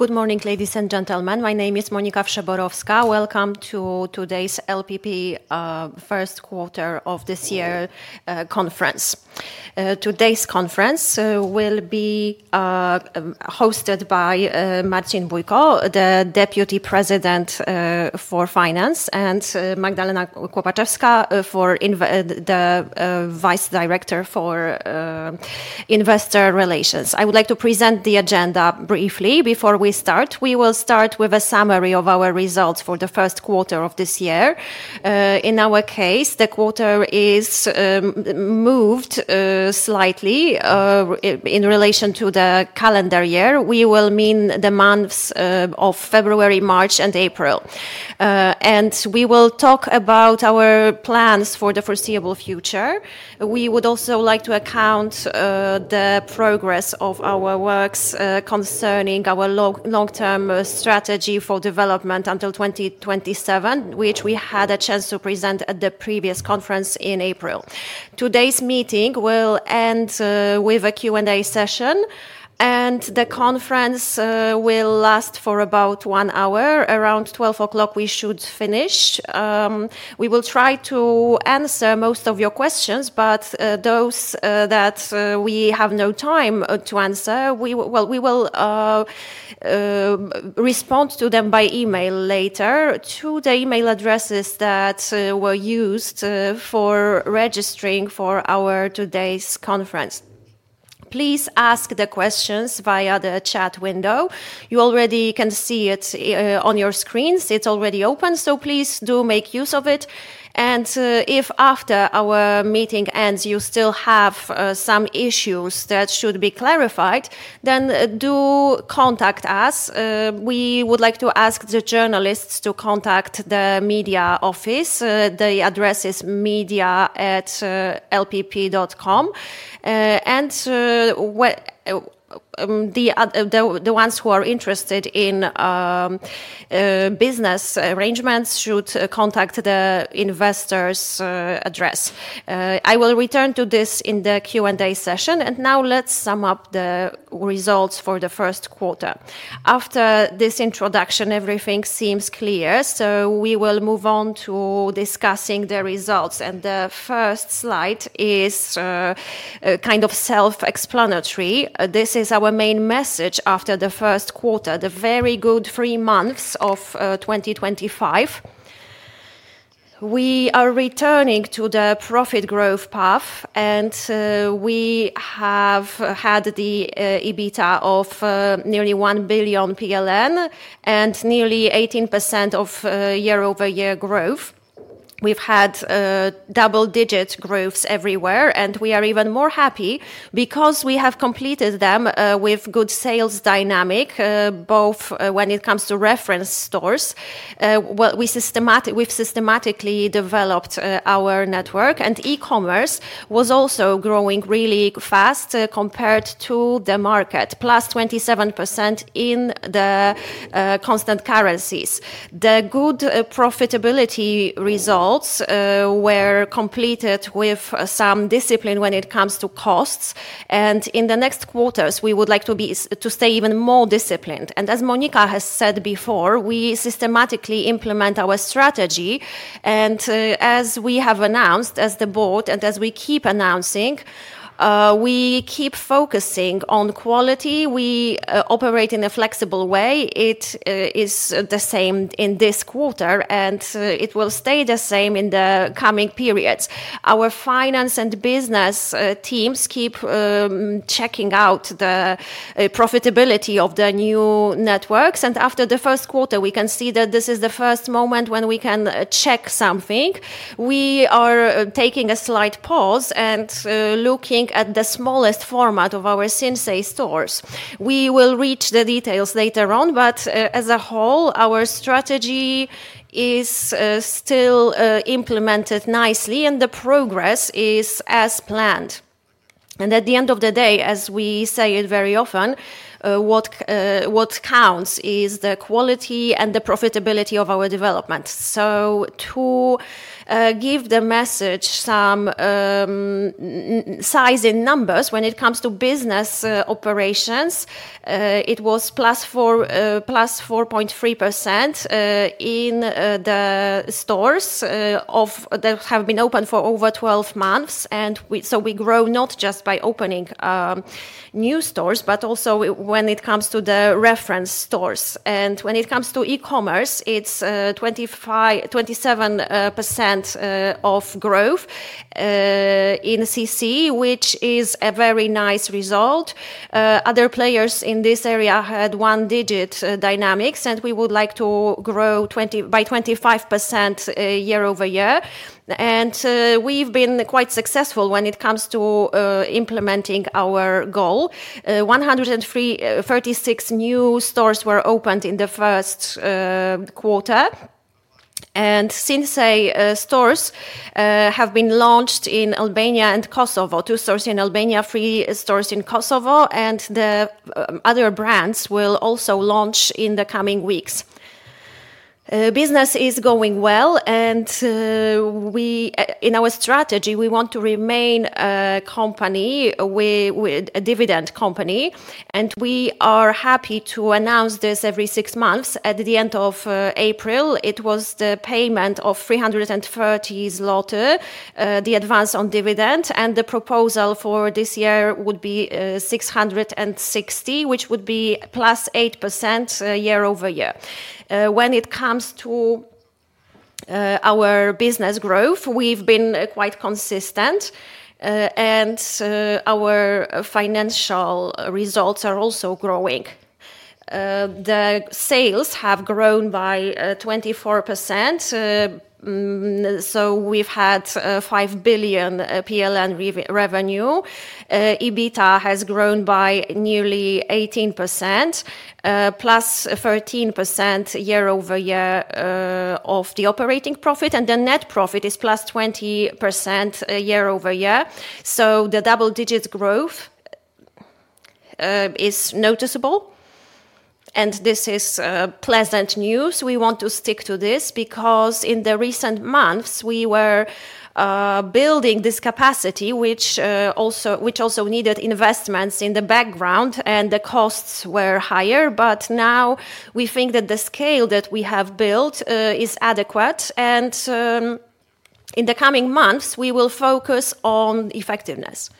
Good morning, ladies and gentlemen. My name is Monika Wszeborowska. Welcome to today's LPP, first quarter of this year, conference. Today's conference will be hosted by Marcin Bujko, the Deputy President for Finance, and Magdalena Kopaczewska, the Vice Director for Investor Relations. I would like to present the agenda briefly. Before we start, we will start with a summary of our results for the first quarter of this year. In our case, the quarter is moved slightly in relation to the calendar year. We will mean the months of February, March, and April. We will talk about our plans for the foreseeable future. We would also like to account the progress of our works concerning our long-term strategy for development until 2027, which we had a chance to present at the previous conference in April. Today's meeting will end with a Q&A session, and the conference will last for about one hour. Around 12:00, we should finish. We will try to answer most of your questions, but those that we have no time to answer, we will respond to them by email later to the email addresses that were used for registering for our today's conference. Please ask the questions via the chat window. You already can see it on your screens. It's already open, so please do make use of it. If after our meeting ends you still have some issues that should be clarified, then do contact us. We would like to ask the journalists to contact the media office. The address is media@lpp.com. The ones who are interested in business arrangements should contact the investors address. I will return to this in the Q&A session. Now let's sum up the results for the first quarter. After this introduction, everything seems clear, so we will move on to discussing the results. The first slide is kind of self-explanatory. This is our main message after the first quarter, the very good three months of 2025. We are returning to the profit growth path, and we have had the EBITDA of nearly 1 billion PLN and nearly 18% of year-over-year growth. We've had double-digit growths everywhere, and we are even more happy because we have completed them with good sales dynamic, both when it comes to reference stores. We systematically developed our network, and e-commerce was also growing really fast compared to the market, plus 27% in the constant currencies. The good profitability results were completed with some discipline when it comes to costs. In the next quarters, we would like to stay even more disciplined. As Monika has said before, we systematically implement our strategy. As we have announced as the board and as we keep announcing, we keep focusing on quality. We operate in a flexible way. It is the same in this quarter, and it will stay the same in the coming periods. Our finance and business teams keep checking out the profitability of the new networks. After the first quarter, we can see that this is the first moment when we can check something. We are taking a slight pause and looking at the smallest format of our Sinsay stores. We will reach the details later on, but as a whole, our strategy is still implemented nicely, and the progress is as planned. At the end of the day, as we say it very often, what counts is the quality and the profitability of our development. To give the message some size in numbers, when it comes to business operations, it was ,+4.3%, in the stores that have been open for over 12 months. We grow not just by opening new stores, but also when it comes to the reference stores. When it comes to e-commerce, it is 27% of growth in CC, which is a very nice result. Other players in this area had one-digit dynamics, and we would like to grow by 25% year-over-year. We have been quite successful when it comes to implementing our goal. 136 new stores were opened in the first quarter. Sinsay stores have been launched in Albania and Kosovo. Two stores in Albania, three stores in Kosovo. And the other brands will also launch in the coming weeks. Business is going well, and, we, in our strategy, we want to remain a company, a dividend company. And we are happy to announce this every six months. At the end of April, it was the payment of 330 zloty, the advance on dividend, and the proposal for this year would be 660, which would be +8% year-over-year. When it comes to, our business growth, we've been quite consistent, and, our financial results are also growing. The sales have grown by 24%. So we've had 5 billion PLN revenue. EBITDA has grown by nearly 18%, +13% year-over-year, of the operating profit. And the net profit is +20% year-over-year. The double-digit growth, is noticeable. And this is, pleasant news. We want to stick to this because in the recent months, we were building this capacity, which also needed investments in the background, and the costs were higher. Now we think that the scale that we have built is adequate. In the coming months, we will focus on effectiveness.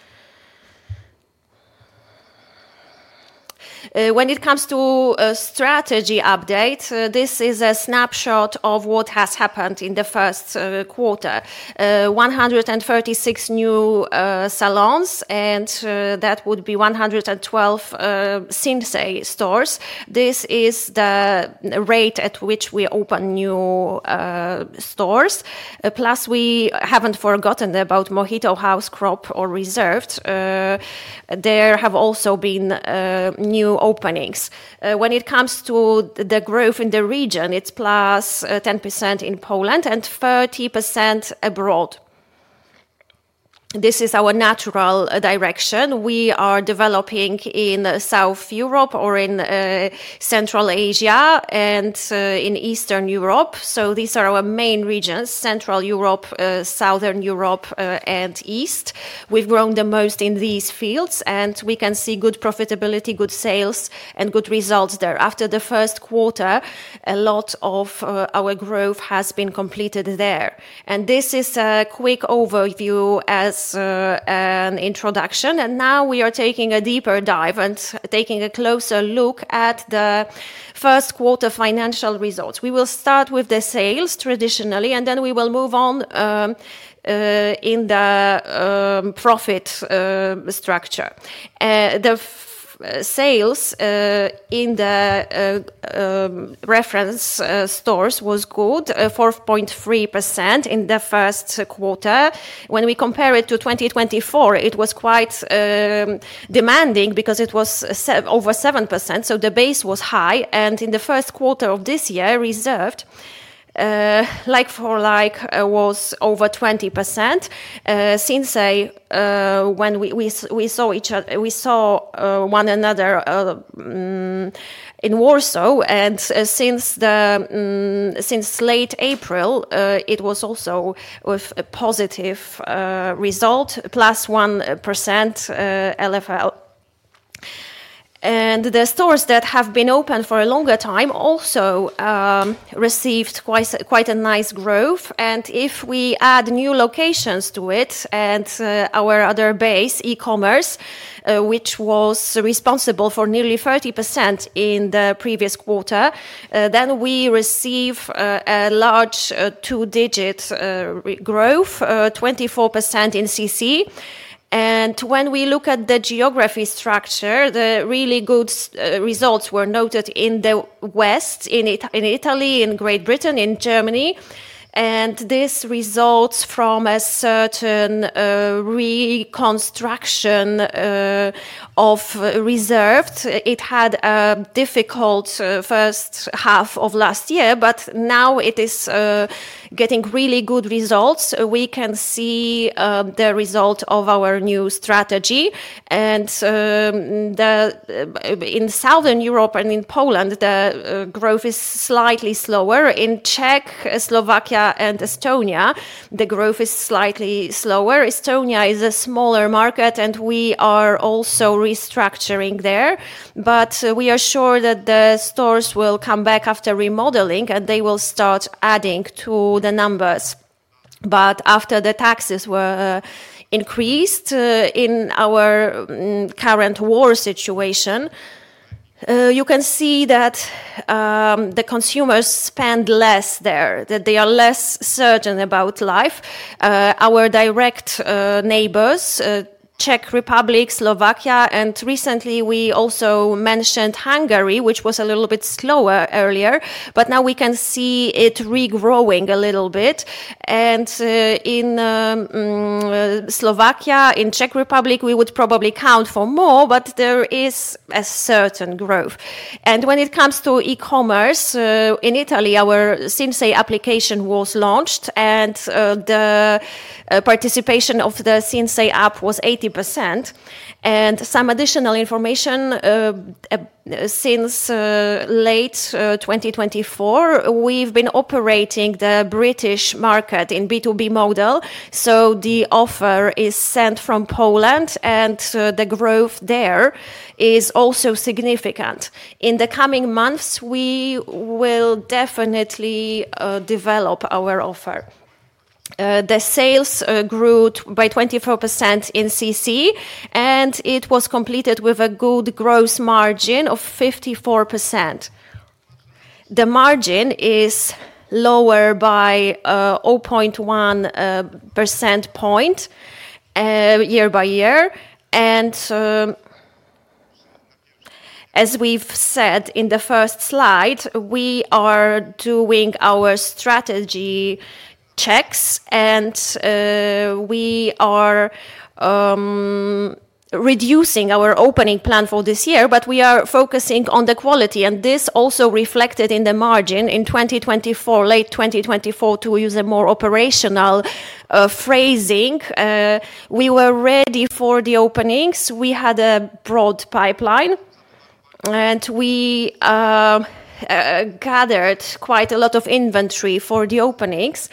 When it comes to a strategy update, this is a snapshot of what has happened in the first quarter. 136 new salons, and that would be 112 Sinsay stores. This is the rate at which we open new stores. Plus, we have not forgotten about Mohito, House, Cropp, or Reserved. There have also been new openings. When it comes to the growth in the region, it is +10% in Poland and 30% abroad. This is our natural direction. We are developing in Southern Europe, in Central Asia, and in Eastern Europe. These are our main regions: Central Europe, Southern Europe, and East. We have grown the most in these fields, and we can see good profitability, good sales, and good results there. After the first quarter, a lot of our growth has been completed there. This is a quick overview as an introduction. Now we are taking a deeper dive and taking a closer look at the first quarter financial results. We will start with the sales traditionally, and then we will move on in the profit structure. The sales in the reference stores was good, 4.3% in the first quarter. When we compare it to 2024, it was quite demanding because it was over 7%. The base was high. In the first quarter of this year, Reserved like for like was over 20%. Sinsay, when we saw each other, we saw one another in Warsaw. Since late April, it was also with a positive result, +1% LFL. The stores that have been open for a longer time also received quite a nice growth. If we add new locations to it and our other base, e-commerce, which was responsible for nearly 30% in the previous quarter, we receive a large two-digit growth, 24% in CC. When we look at the geography structure, the really good results were noted in the West, in Italy, in Great Britain, in Germany. This results from a certain reconstruction of Reserved. It had a difficult first half of last year, but now it is getting really good results. We can see the result of our new strategy. In Southern Europe and in Poland, the growth is slightly slower. In Czech, Slovakia, and Estonia, the growth is slightly slower. Estonia is a smaller market, and we are also restructuring there. We are sure that the stores will come back after remodeling, and they will start adding to the numbers. After the taxes were increased, in our current war situation, you can see that the consumers spend less there, that they are less certain about life. Our direct neighbors, Czech Republic, Slovakia, and recently we also mentioned Hungary, which was a little bit slower earlier, but now we can see it regrowing a little bit. In Slovakia, in Czech Republic, we would probably count for more, but there is a certain growth. When it comes to e-commerce, in Italy, our Sinsay application was launched, and the participation of the Sinsay app was 80%. Some additional information, since late 2024, we've been operating the British market in a B2B model. The offer is sent from Poland, and the growth there is also significant. In the coming months, we will definitely develop our offer. The sales grew by 24% in CC, and it was completed with a good gross margin of 54%. The margin is lower by 0.1 percentage point year-by-year. As we've said in the first slide, we are doing our strategy checks, and we are reducing our opening plan for this year, but we are focusing on the quality. This also reflected in the margin in 2024, late 2024, to use a more operational phrasing. We were ready for the openings. We had a broad pipeline, and we gathered quite a lot of inventory for the openings.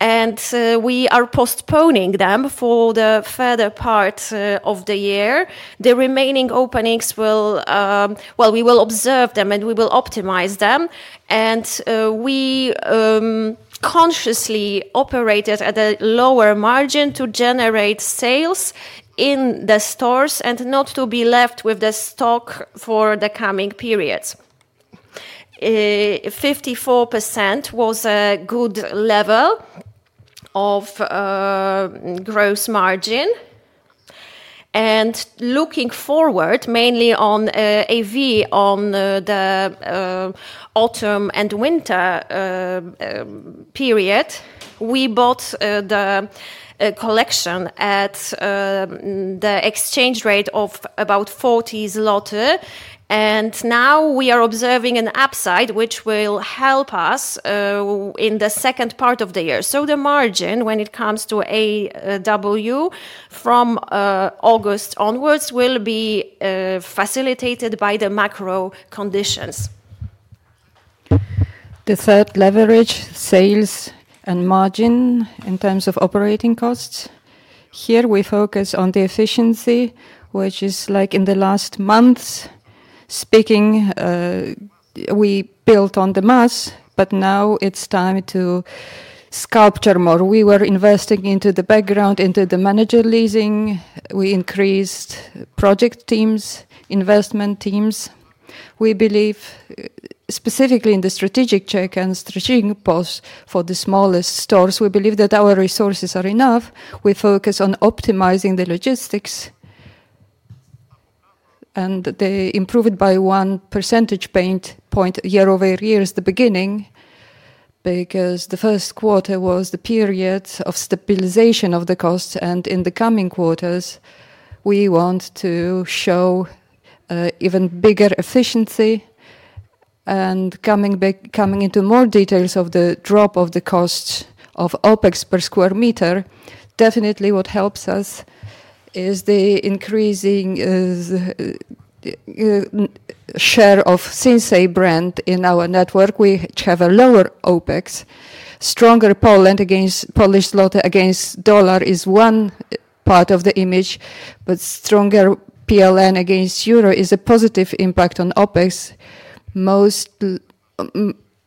We are postponing them for the further part of the year. The remaining openings will, well, we will observe them and we will optimize them. We consciously operated at a lower margin to generate sales in the stores and not to be left with the stock for the coming periods. 54% was a good level of gross margin. Looking forward, mainly on AW, on the autumn and winter period, we bought the collection at the exchange rate of about 4.0 zloty. Now we are observing an upside, which will help us in the second part of the year. The margin when it comes to AW from August onwards will be facilitated by the macro conditions. The third leverage, sales and margin in terms of operating costs. Here we focus on the efficiency, which is like in the last months speaking, we built on the mass, but now it is time to sculpture more. We were investing into the background, into the manager leasing. We increased project teams, investment teams. We believe specifically in the strategic check and strategic post for the smallest stores. We believe that our resources are enough. We focus on optimizing the logistics and they improved by one percentage point year-over-year at the beginning because the first quarter was the period of stabilization of the costs. In the coming quarters, we want to show, even bigger efficiency. Coming back, coming into more details of the drop of the costs of OpEx per sq m, definitely what helps us is the increasing share of Sinsay brand in our network. We have a lower OpEx, stronger Poland against Polish Zloty against dollar is one part of the image, but stronger PLN against Euro is a positive impact on OpEx. Most,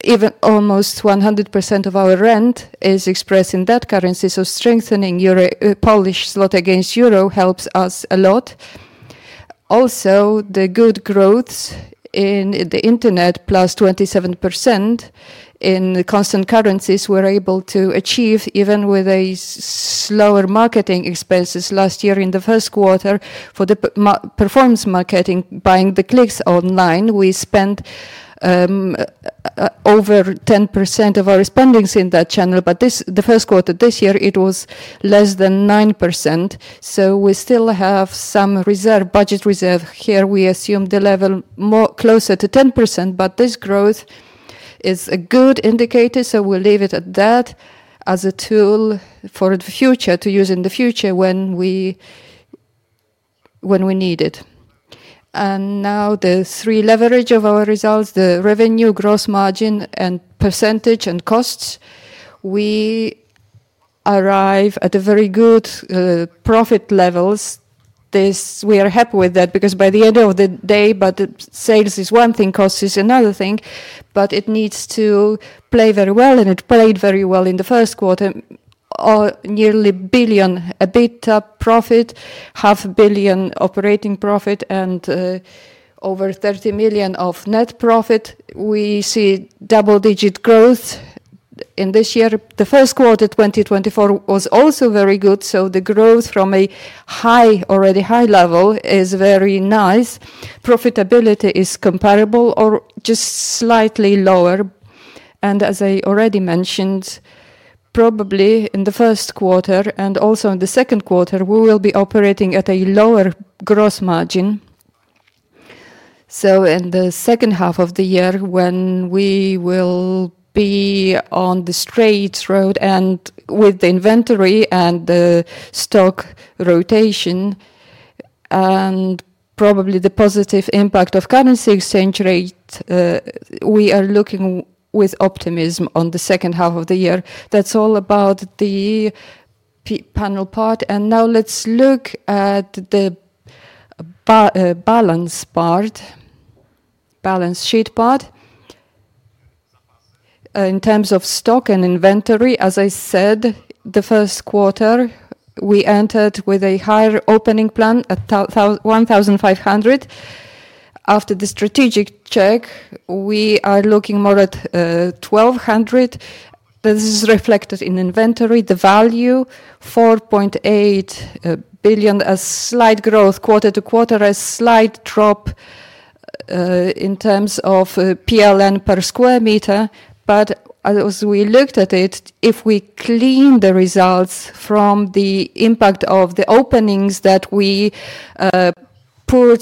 even almost 100% of our rent is expressed in that currency. Strengthening your Polish Zloty against Euro helps us a lot. Also, the good growth in the internet +27% in the constant currencies we're able to achieve even with a slower marketing expenses last year in the first quarter for the performance marketing, buying the clicks online. We spent over 10% of our spendings in that channel, but this, the first quarter this year, it was less than 9%. We still have some reserve budget reserve here. We assume the level more closer to 10%, but this growth is a good indicator. We'll leave it at that as a tool for the future to use in the future when we need it. Now the three leverage of our results, the revenue, gross margin, and percentage and costs, we arrive at very good profit levels. We are happy with that because by the end of the day, sales is one thing, cost is another thing, but it needs to play very well. It played very well in the first quarter, nearly 1 billion EBITDA profit, 500 million operating profit, and over 30 million of net profit. We see double-digit growth in this year. The first quarter 2024 was also very good. The growth from a high, already high level is very nice. Profitability is comparable or just slightly lower. As I already mentioned, probably in the first quarter and also in the second quarter, we will be operating at a lower gross margin. In the second half of the year, when we will be on the straight road and with the inventory and the stock rotation and probably the positive impact of currency exchange rate, we are looking with optimism on the second half of the year. That is all about the panel part. Now let's look at the balance part, balance sheet part. In terms of stock and inventory, as I said, the first quarter we entered with a higher opening plan at 1,500. After the strategic check, we are looking more at 1,200. This is reflected in inventory, the value 4.8 billion, a slight growth quarter-to-quarter, a slight drop in terms of PLN per sq m. As we looked at it, if we clean the results from the impact of the openings that we put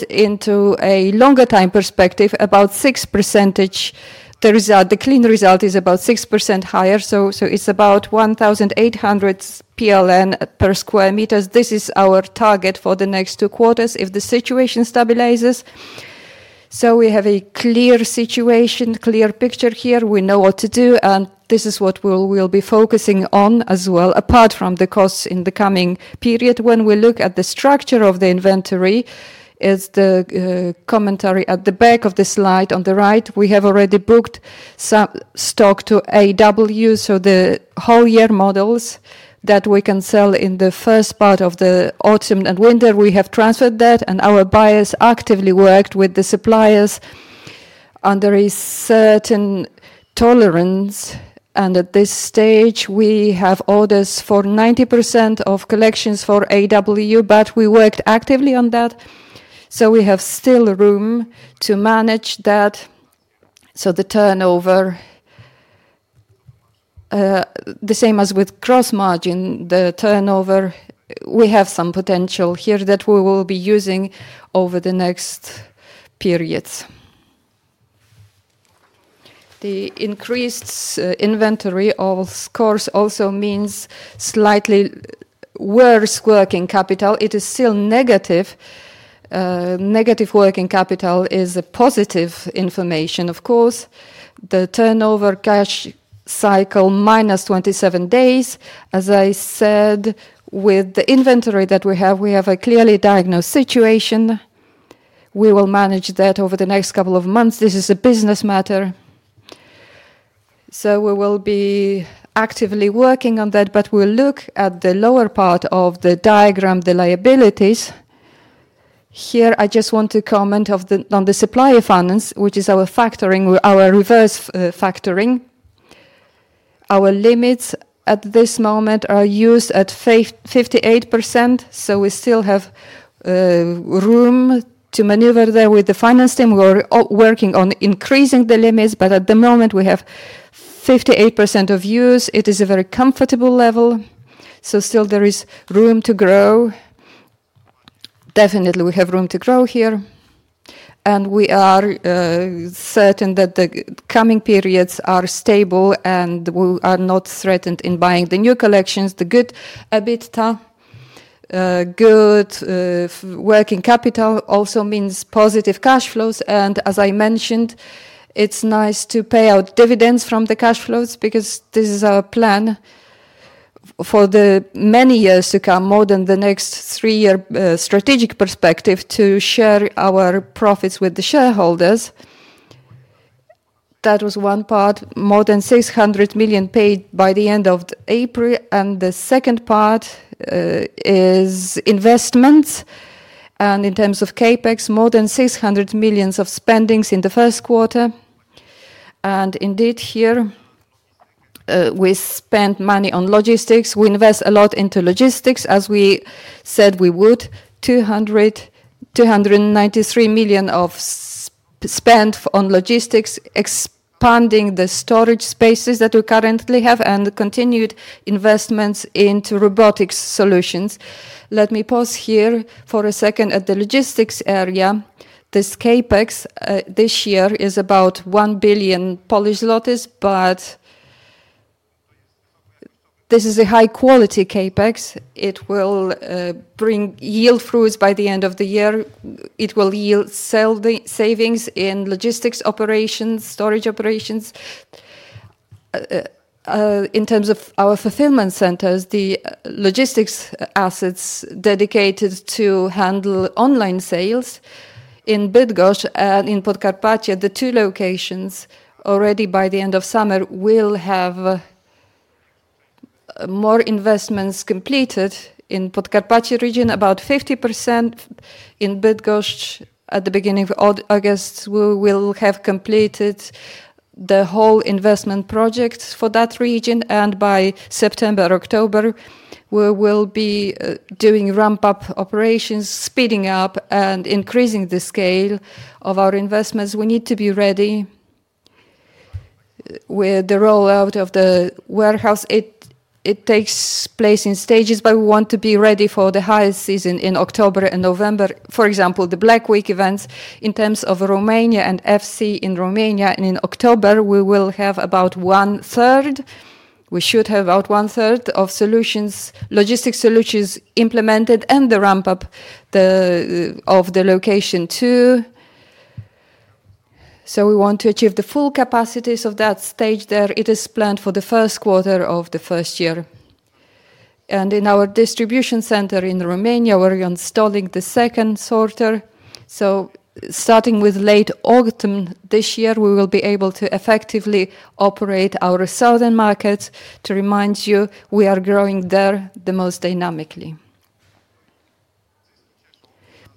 into a longer time perspective, about 6%, the result, the clean result is about 6% higher. It is about 1,800 PLN per sq m. This is our target for the next two quarters if the situation stabilizes. We have a clear situation, clear picture here. We know what to do, and this is what we will be focusing on as well, apart from the costs in the coming period. When we look at the structure of the inventory, it is the commentary at the back of the slide on the right. We have already booked some stock to AW, so the whole year models that we can sell in the first part of the autumn and winter. We have transferred that, and our buyers actively worked with the suppliers under a certain tolerance. At this stage, we have orders for 90% of collections for AW, but we worked actively on that. We have still room to manage that. The turnover, the same as with cross margin, the turnover, we have some potential here that we will be using over the next periods. The increased inventory of scores also means slightly worse working capital. It is still negative. Negative working capital is a positive information, of course. The turnover cash cycle -27 days. As I said, with the inventory that we have, we have a clearly diagnosed situation. We will manage that over the next couple of months. This is a business matter. We will be actively working on that, but we'll look at the lower part of the diagram, the liabilities. Here, I just want to comment on the supplier finance, which is our factoring, our reverse factoring. Our limits at this moment are used at 58%. We still have room to maneuver there with the finance team. We're working on increasing the limits, but at the moment we have 58% of use. It is a very comfortable level. There is room to grow. Definitely, we have room to grow here. We are certain that the coming periods are stable and we are not threatened in buying the new collections. The good EBITDA, good working capital also means positive cash flows. As I mentioned, it's nice to pay out dividends from the cash flows because this is our plan for the many years to come, more than the next three-year strategic perspective to share our profits with the shareholders. That was one part, more than 600 million paid by the end of April. The second part is investments. In terms of CapEx, more than 600 million of spendings in the first quarter. Indeed, here we spent money on logistics. We invest a lot into logistics, as we said we would, 293 million of spent on logistics, expanding the storage spaces that we currently have and continued investments into robotics solutions. Let me pause here for a second at the logistics area. This CapEx this year is about 1 billion Polish zlotys, but this is a high-quality CapEx. It will bring yield through by the end of the year. It will yield savings in logistics operations, storage operations. In terms of our fulfillment centers, the logistics assets dedicated to handle online sales in Bydgoszcz and in Podkarpackie, the two locations already by the end of summer will have more investments completed in Podkarpackie region, about 50% in Bydgoszcz at the beginning of August. We will have completed the whole investment projects for that region. By September, October, we will be doing ramp-up operations, speeding up and increasing the scale of our investments. We need to be ready with the rollout of the warehouse. It takes place in stages, but we want to be ready for the highest season in October and November. For example, the Black Week events in terms of Romania and FC in Romania. In October, we will have about one third. We should have about one third of solutions, logistics solutions implemented and the ramp-up of the location too. We want to achieve the full capacities of that stage there. It is planned for the first quarter of the first year. In our distribution center in Romania, we're installing the second sorter. Starting with late autumn this year, we will be able to effectively operate our southern markets. To remind you, we are growing there the most dynamically.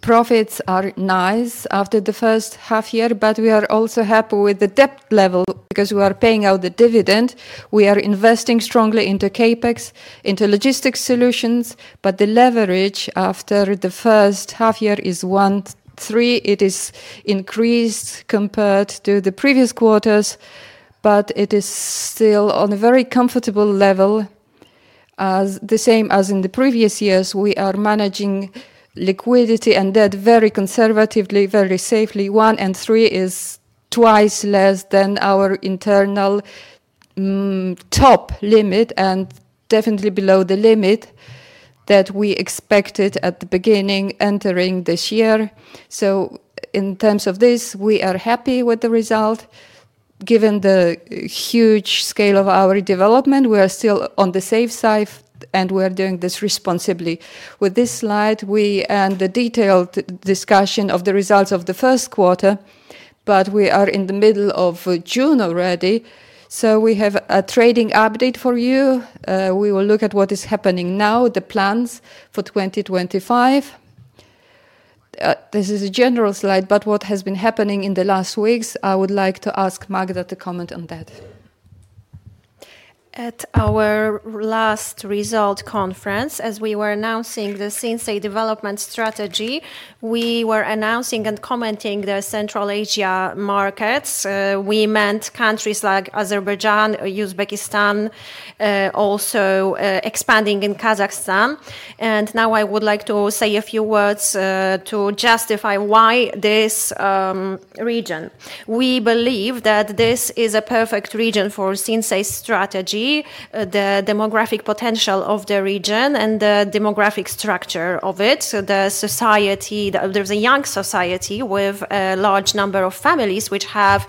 Profits are nice after the first half year, but we are also happy with the debt level because we are paying out the dividend. We are investing strongly into CapEx, into logistics solutions, but the leverage after the first half year is 1.3. It is increased compared to the previous quarters, but it is still on a very comfortable level. As in the previous years, we are managing liquidity and debt very conservatively, very safely. One and three is twice less than our internal top limit and definitely below the limit that we expected at the beginning entering this year. In terms of this, we are happy with the result. Given the huge scale of our development, we are still on the safe side and we are doing this responsibly. With this slide, we end the detailed discussion of the results of the first quarter, but we are in the middle of June already. We have a trading update for you. We will look at what is happening now, the plans for 2025. This is a general slide, but what has been happening in the last weeks, I would like to ask Magda to comment on that. At our last result conference, as we were announcing the Sinsay development strategy, we were announcing and commenting the Central Asia markets. We meant countries like Azerbaijan, Uzbekistan, also expanding in Kazakhstan. Now I would like to say a few words to justify why this region. We believe that this is a perfect region for Sinsay strategy, the demographic potential of the region and the demographic structure of it. The society, there is a young society with a large number of families which have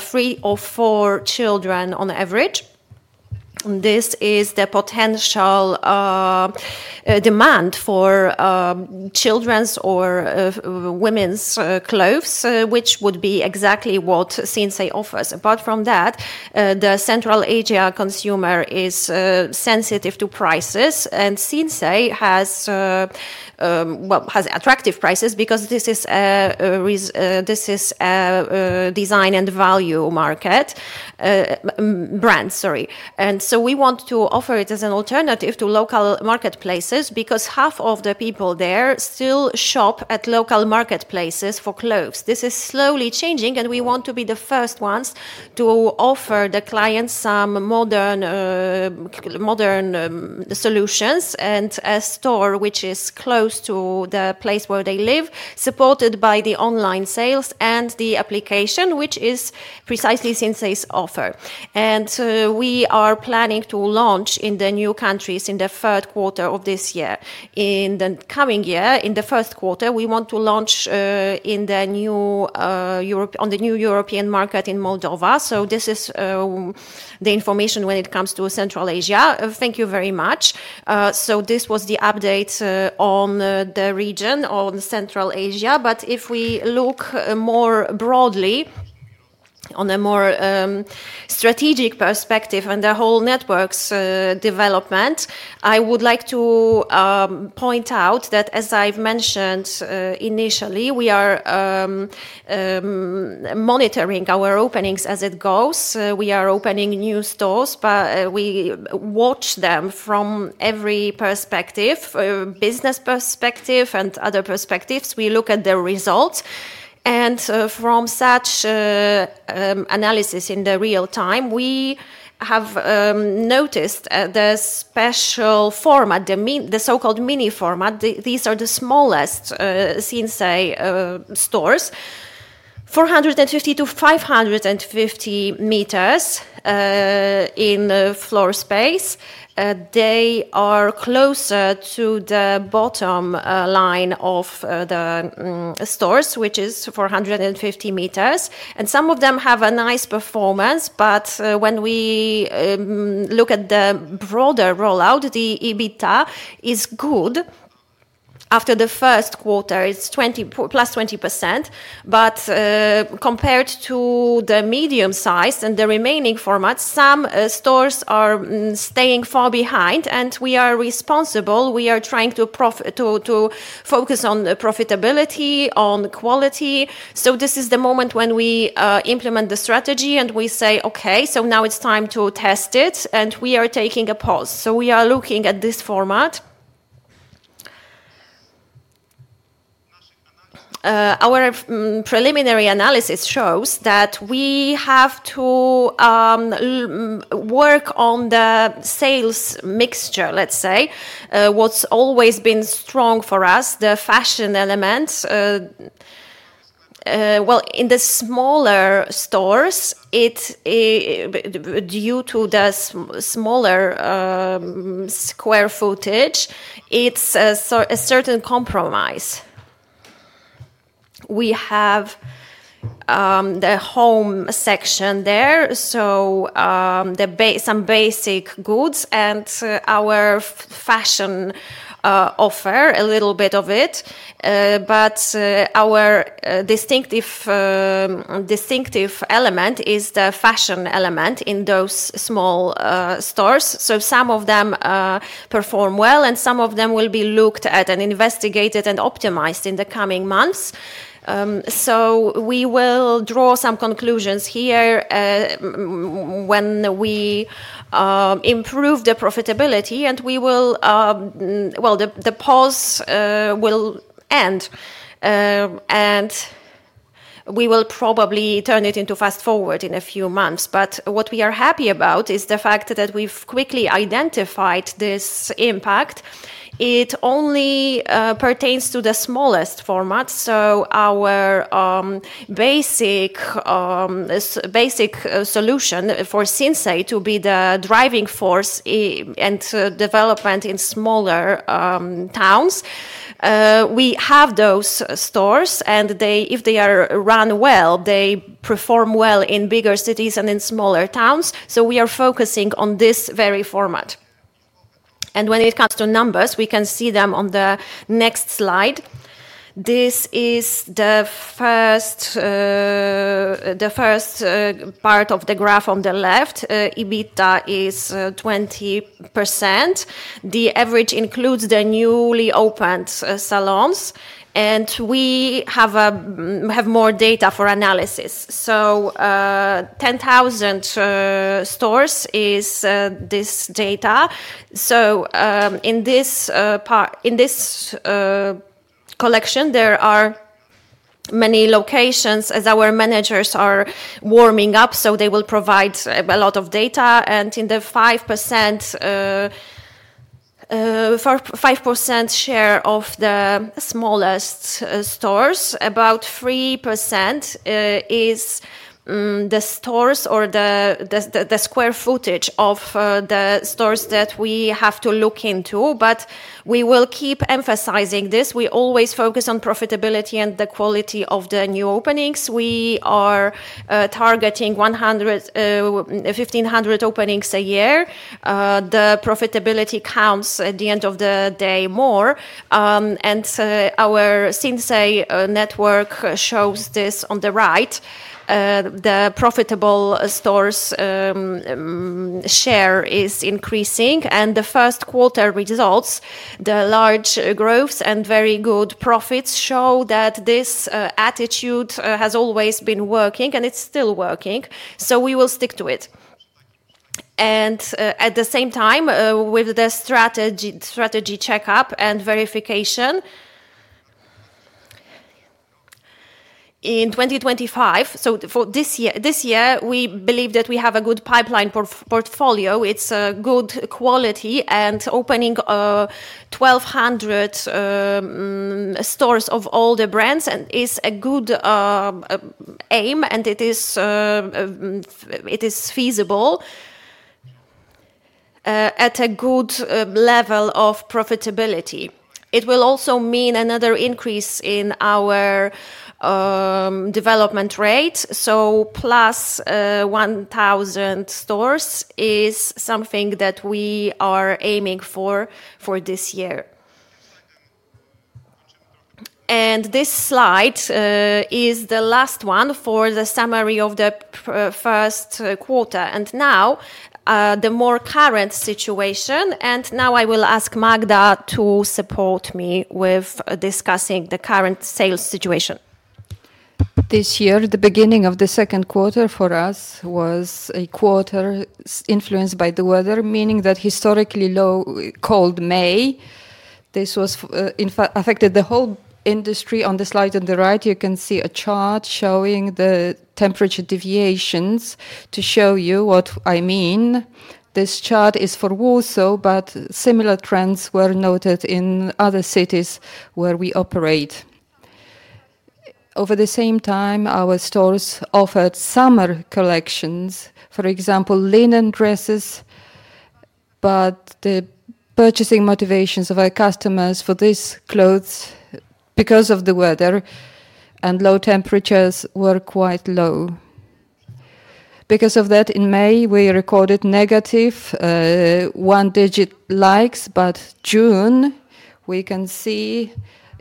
three or four children on average. This is the potential demand for children's or women's clothes, which would be exactly what Sinsay offers. Apart from that, the Central Asia consumer is sensitive to prices and Sinsay as well has attractive prices because this is a design and value market brand, sorry. We want to offer it as an alternative to local marketplaces because half of the people there still shop at local marketplaces for clothes. This is slowly changing and we want to be the first ones to offer the clients some modern solutions and a store which is close to the place where they live, supported by the online sales and the application, which is precisely Sinsay's offer. We are planning to launch in the new countries in the third quarter of this year. In the coming year, in the first quarter, we want to launch in the new Europe on the new European market in Moldova. This is the information when it comes to Central Asia. Thank you very much. This was the update on the region, on Central Asia. If we look more broadly on a more strategic perspective and the whole network's development, I would like to point out that as I've mentioned initially, we are monitoring our openings as it goes. We are opening new stores, but we watch them from every perspective, business perspective and other perspectives. We look at the results and from such analysis in real time, we have noticed the special format, the so-called mini format. These are the smallest Sinsay stores, 450 m-550 m in floor space. They are closer to the bottom line of the stores, which is 450 m. Some of them have a nice performance, but when we look at the broader rollout, the EBITDA is good. After the first quarter, it is +20%. Compared to the medium size and the remaining formats, some stores are staying far behind and we are responsible. We are trying to focus on profitability, on quality. This is the moment when we implement the strategy and we say, okay, now it's time to test it and we are taking a pause. We are looking at this format. Our preliminary analysis shows that we have to work on the sales mixture, let's say, what's always been strong for us, the fashion elements. In the smaller stores, due to the smaller square footage, it's a certain compromise. We have the home section there, so some basic goods and our fashion offer, a little bit of it. Our distinctive element is the fashion element in those small stores. Some of them perform well and some of them will be looked at and investigated and optimized in the coming months. We will draw some conclusions here when we improve the profitability and the pause will end. We will probably turn it into fast forward in a few months. What we are happy about is the fact that we have quickly identified this impact. It only pertains to the smallest format. Our basic solution for Sinsay is to be the driving force and development in smaller towns. We have those stores and they, if they are run well, perform well in bigger cities and in smaller towns. We are focusing on this very format. When it comes to numbers, we can see them on the next slide. This is the first part of the graph on the left. EBITDA is 20%. The average includes the newly opened salons. We have more data for analysis. 10,000 stores is this data. In this part, in this collection, there are many locations as our managers are warming up. They will provide a lot of data. In the 5% share of the smallest stores, about 3% is the stores or the square footage of the stores that we have to look into. We will keep emphasizing this. We always focus on profitability and the quality of the new openings. We are targeting 1,500 openings a year. Profitability counts at the end of the day more. Our Sinsay network shows this on the right. The profitable stores share is increasing. The first quarter results, the large growths and very good profits show that this attitude has always been working and it is still working. We will stick to it. At the same time, with the strategy checkup and verification in 2025, for this year, we believe that we have a good pipeline portfolio. It's a good quality and opening 1,200 stores of all the brands and is a good aim and it is feasible at a good level of profitability. It will also mean another increase in our development rate. Plus 1,000 stores is something that we are aiming for for this year. This slide is the last one for the summary of the first quarter. Now the more current situation. Now I will ask Magda to support me with discussing the current sales situation. This year, the beginning of the second quarter for us was a quarter influenced by the weather, meaning that historically low cold May. This was in fact affected the whole industry. On the slide on the right, you can see a chart showing the temperature deviations to show you what I mean. This chart is for Warsaw, but similar trends were noted in other cities where we operate. Over the same time, our stores offered summer collections, for example, linen dresses. But the purchasing motivations of our customers for these clothes because of the weather and low temperatures were quite low. Because of that, in May, we recorded negative single-digit likes.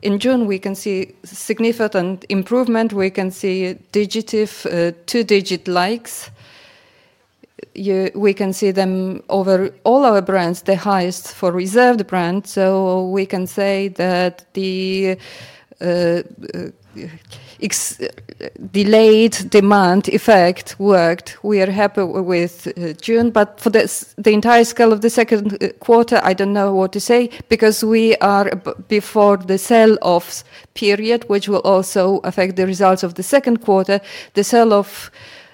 In June, we can see significant improvement. We can see positive double-digit likes. We can see them over all our brands, the highest for Reserved brands. We can say that the delayed demand effect worked. We are happy with June. For the entire scale of the second quarter, I do not know what to say because we are before the sell-off period, which will also affect the results of the second quarter. The sell-off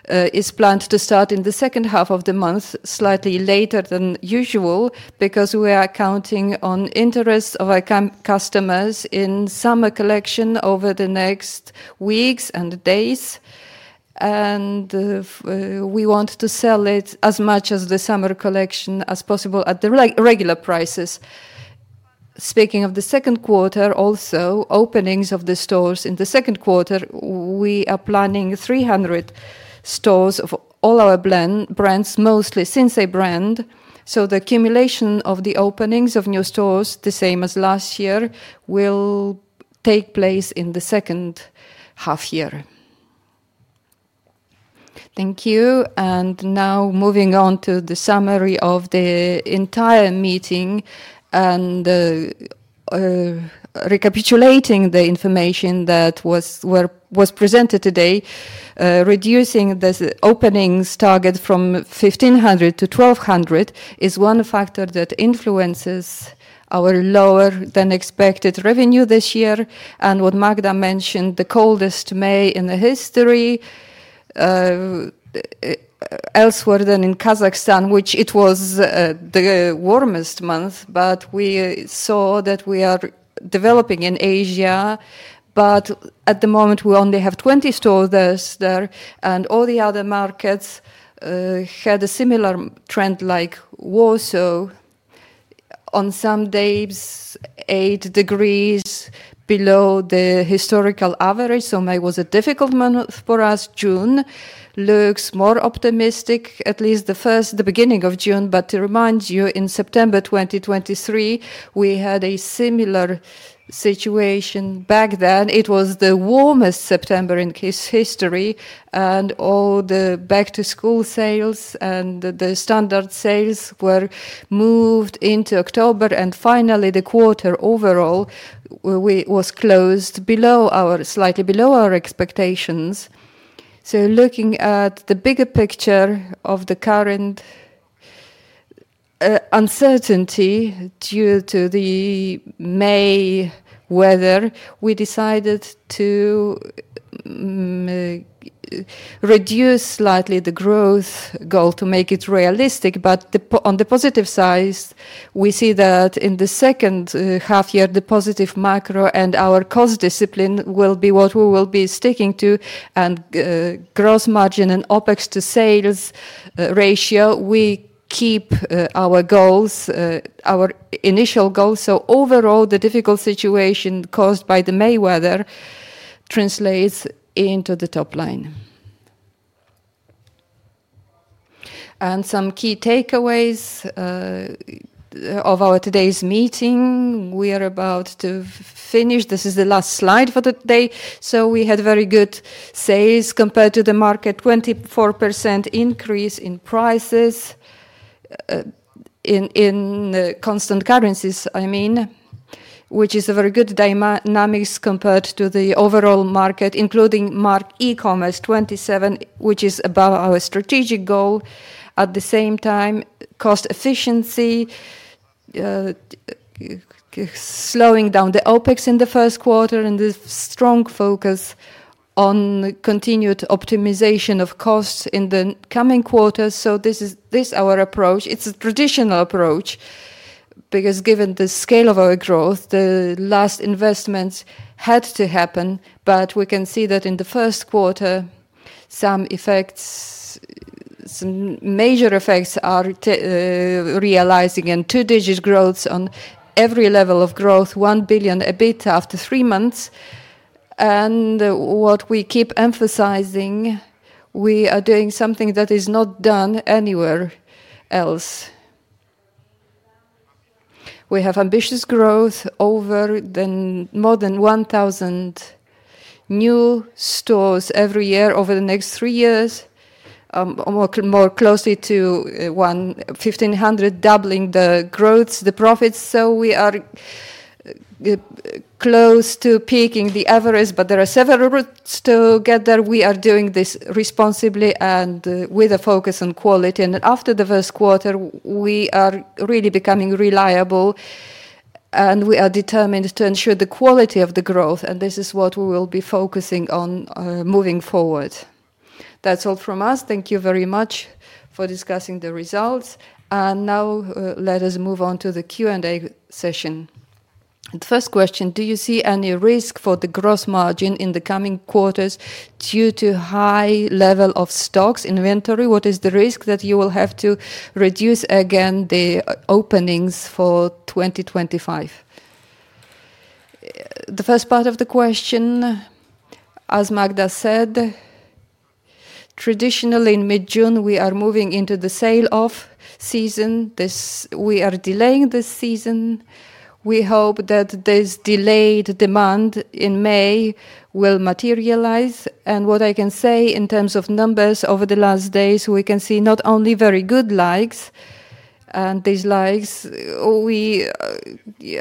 is planned to start in the second half of the month, slightly later than usual, because we are counting on interest of our customers in summer collection over the next weeks and days. We want to sell as much of the summer collection as possible at the regular prices. Speaking of the second quarter, also openings of the stores in the second quarter, we are planning 300 stores of all our brands, mostly Sinsay brand. The accumulation of the openings of new stores, the same as last year, will take place in the second half year. Thank you. Now moving on to the summary of the entire meeting and recapitulating the information that was presented today, reducing the openings target from 1,500-1,200 is one factor that influences our lower than expected revenue this year. What Magda mentioned, the coldest May in the history elsewhere than in Kazakhstan, which it was the warmest month. We saw that we are developing in Asia. At the moment, we only have 20 stores there. All the other markets had a similar trend like Warsaw on some days, eight degrees below the historical average. May was a difficult month for us. June looks more optimistic, at least the beginning of June. To remind you, in September 2023, we had a similar situation back then. It was the warmest September in its history. All the back to school sales and the standard sales were moved into October. Finally, the quarter overall was closed slightly below our expectations. Looking at the bigger picture of the current uncertainty due to the May weather, we decided to reduce slightly the growth goal to make it realistic. On the positive side, we see that in the second half year, the positive macro and our cost discipline will be what we will be sticking to. Gross margin and OpEx to sales ratio, we keep our goals, our initial goals. Overall, the difficult situation caused by the May weather translates into the top line. Some key takeaways of our today's meeting. We are about to finish. This is the last slide for the day. We had very good sales compared to the market, 24% increase in prices in constant currencies, I mean, which is a very good dynamics compared to the overall market, including mark e-commerce 27%, which is above our strategic goal. At the same time, cost efficiency, slowing down the OpEx in the first quarter and the strong focus on continued optimization of costs in the coming quarters. This is our approach. It is a traditional approach because given the scale of our growth, the last investments had to happen. We can see that in the first quarter, some effects, some major effects are realizing and two-digit growths on every level of growth, 1 billion a bit after three months. What we keep emphasizing, we are doing something that is not done anywhere else. We have ambitious growth over more than 1,000 new stores every year over the next three years, more closely to 1,500, doubling the growth, the profits. We are close to peaking the average, but there are several routes to get there. We are doing this responsibly and with a focus on quality. After the first quarter, we are really becoming reliable and we are determined to ensure the quality of the growth. This is what we will be focusing on moving forward. That is all from us. Thank you very much for discussing the results. Now let us move on to the Q&A session. The first question, do you see any risk for the gross margin in the coming quarters due to high level of stocks inventory? What is the risk that you will have to reduce again the openings for 2025? The first part of the question, as Magda said, traditionally in mid-June, we are moving into the sale-off season. We are delaying this season. We hope that this delayed demand in May will materialize. What I can say in terms of numbers over the last days, we can see not only very good likes, and these likes, we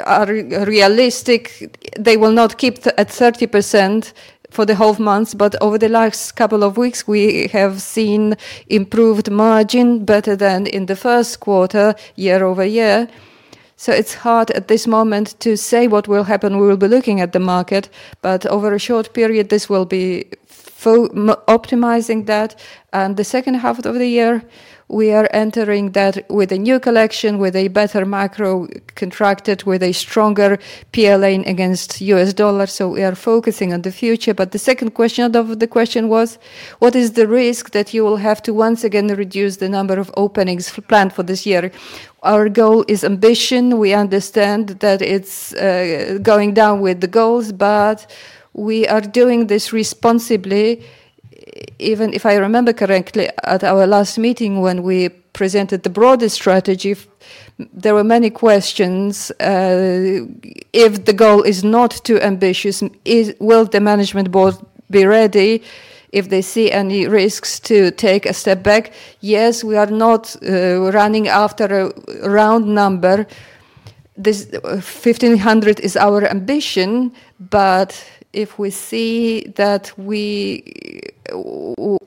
are realistic. They will not keep at 30% for the whole month, but over the last couple of weeks, we have seen improved margin, better than in the first quarter year-over-year. It is hard at this moment to say what will happen. We will be looking at the market, but over a short period, this will be optimizing that. The second half of the year, we are entering that with a new collection, with a better macro contracted, with a stronger PLN against the US dollar. We are focusing on the future. The second question of the question was, what is the risk that you will have to once again reduce the number of openings planned for this year? Our goal is ambition. We understand that it's going down with the goals, but we are doing this responsibly. Even if I remember correctly at our last meeting when we presented the broader strategy, there were many questions. If the goal is not too ambitious, will the management board be ready if they see any risks to take a step back? Yes, we are not running after a round number. This 1,500 is our ambition. If we see that we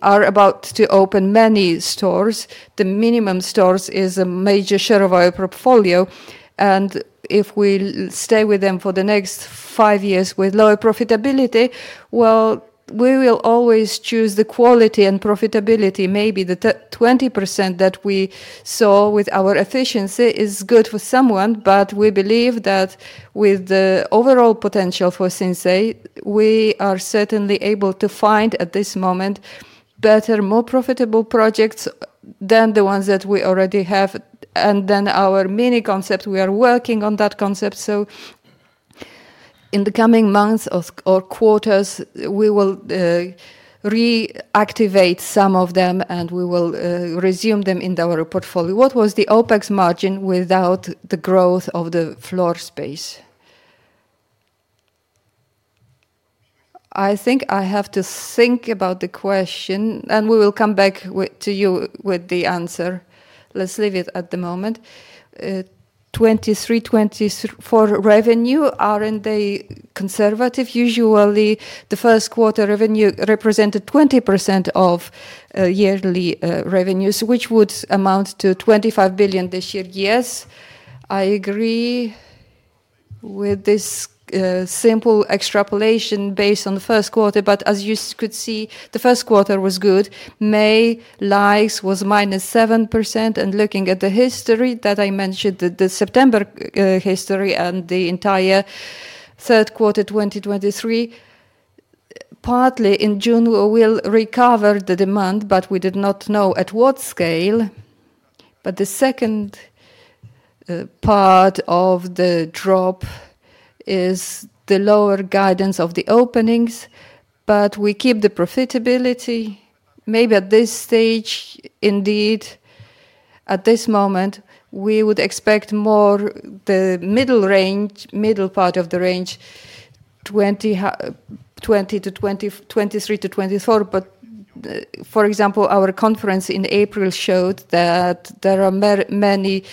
are about to open many stores, the minimum stores is a major share of our portfolio. If we stay with them for the next five years with lower profitability, we will always choose the quality and profitability. Maybe the 20% that we saw with our efficiency is good for someone, but we believe that with the overall potential for Sinsay, we are certainly able to find at this moment better, more profitable projects than the ones that we already have. Our mini concept, we are working on that concept. In the coming months or quarters, we will reactivate some of them and we will resume them in our portfolio. What was the OpEx margin without the growth of the floor space? I think I have to think about the question and we will come back to you with the answer. Let's leave it at the moment. 2023, 2024 revenue are in the conservative. Usually, the first quarter revenue represented 20% of yearly revenues, which would amount to 25 billion this year. Yes, I agree with this simple extrapolation based on the first quarter. As you could see, the first quarter was good. May likes was -7%. Looking at the history that I mentioned, the September history and the entire third quarter 2023, partly in June will recover the demand, but we did not know at what scale. The second part of the drop is the lower guidance of the openings, but we keep the profitability. Maybe at this stage, indeed, at this moment, we would expect more the middle range, middle part of the range, 23%-24%. For example, our conference in April showed that there are many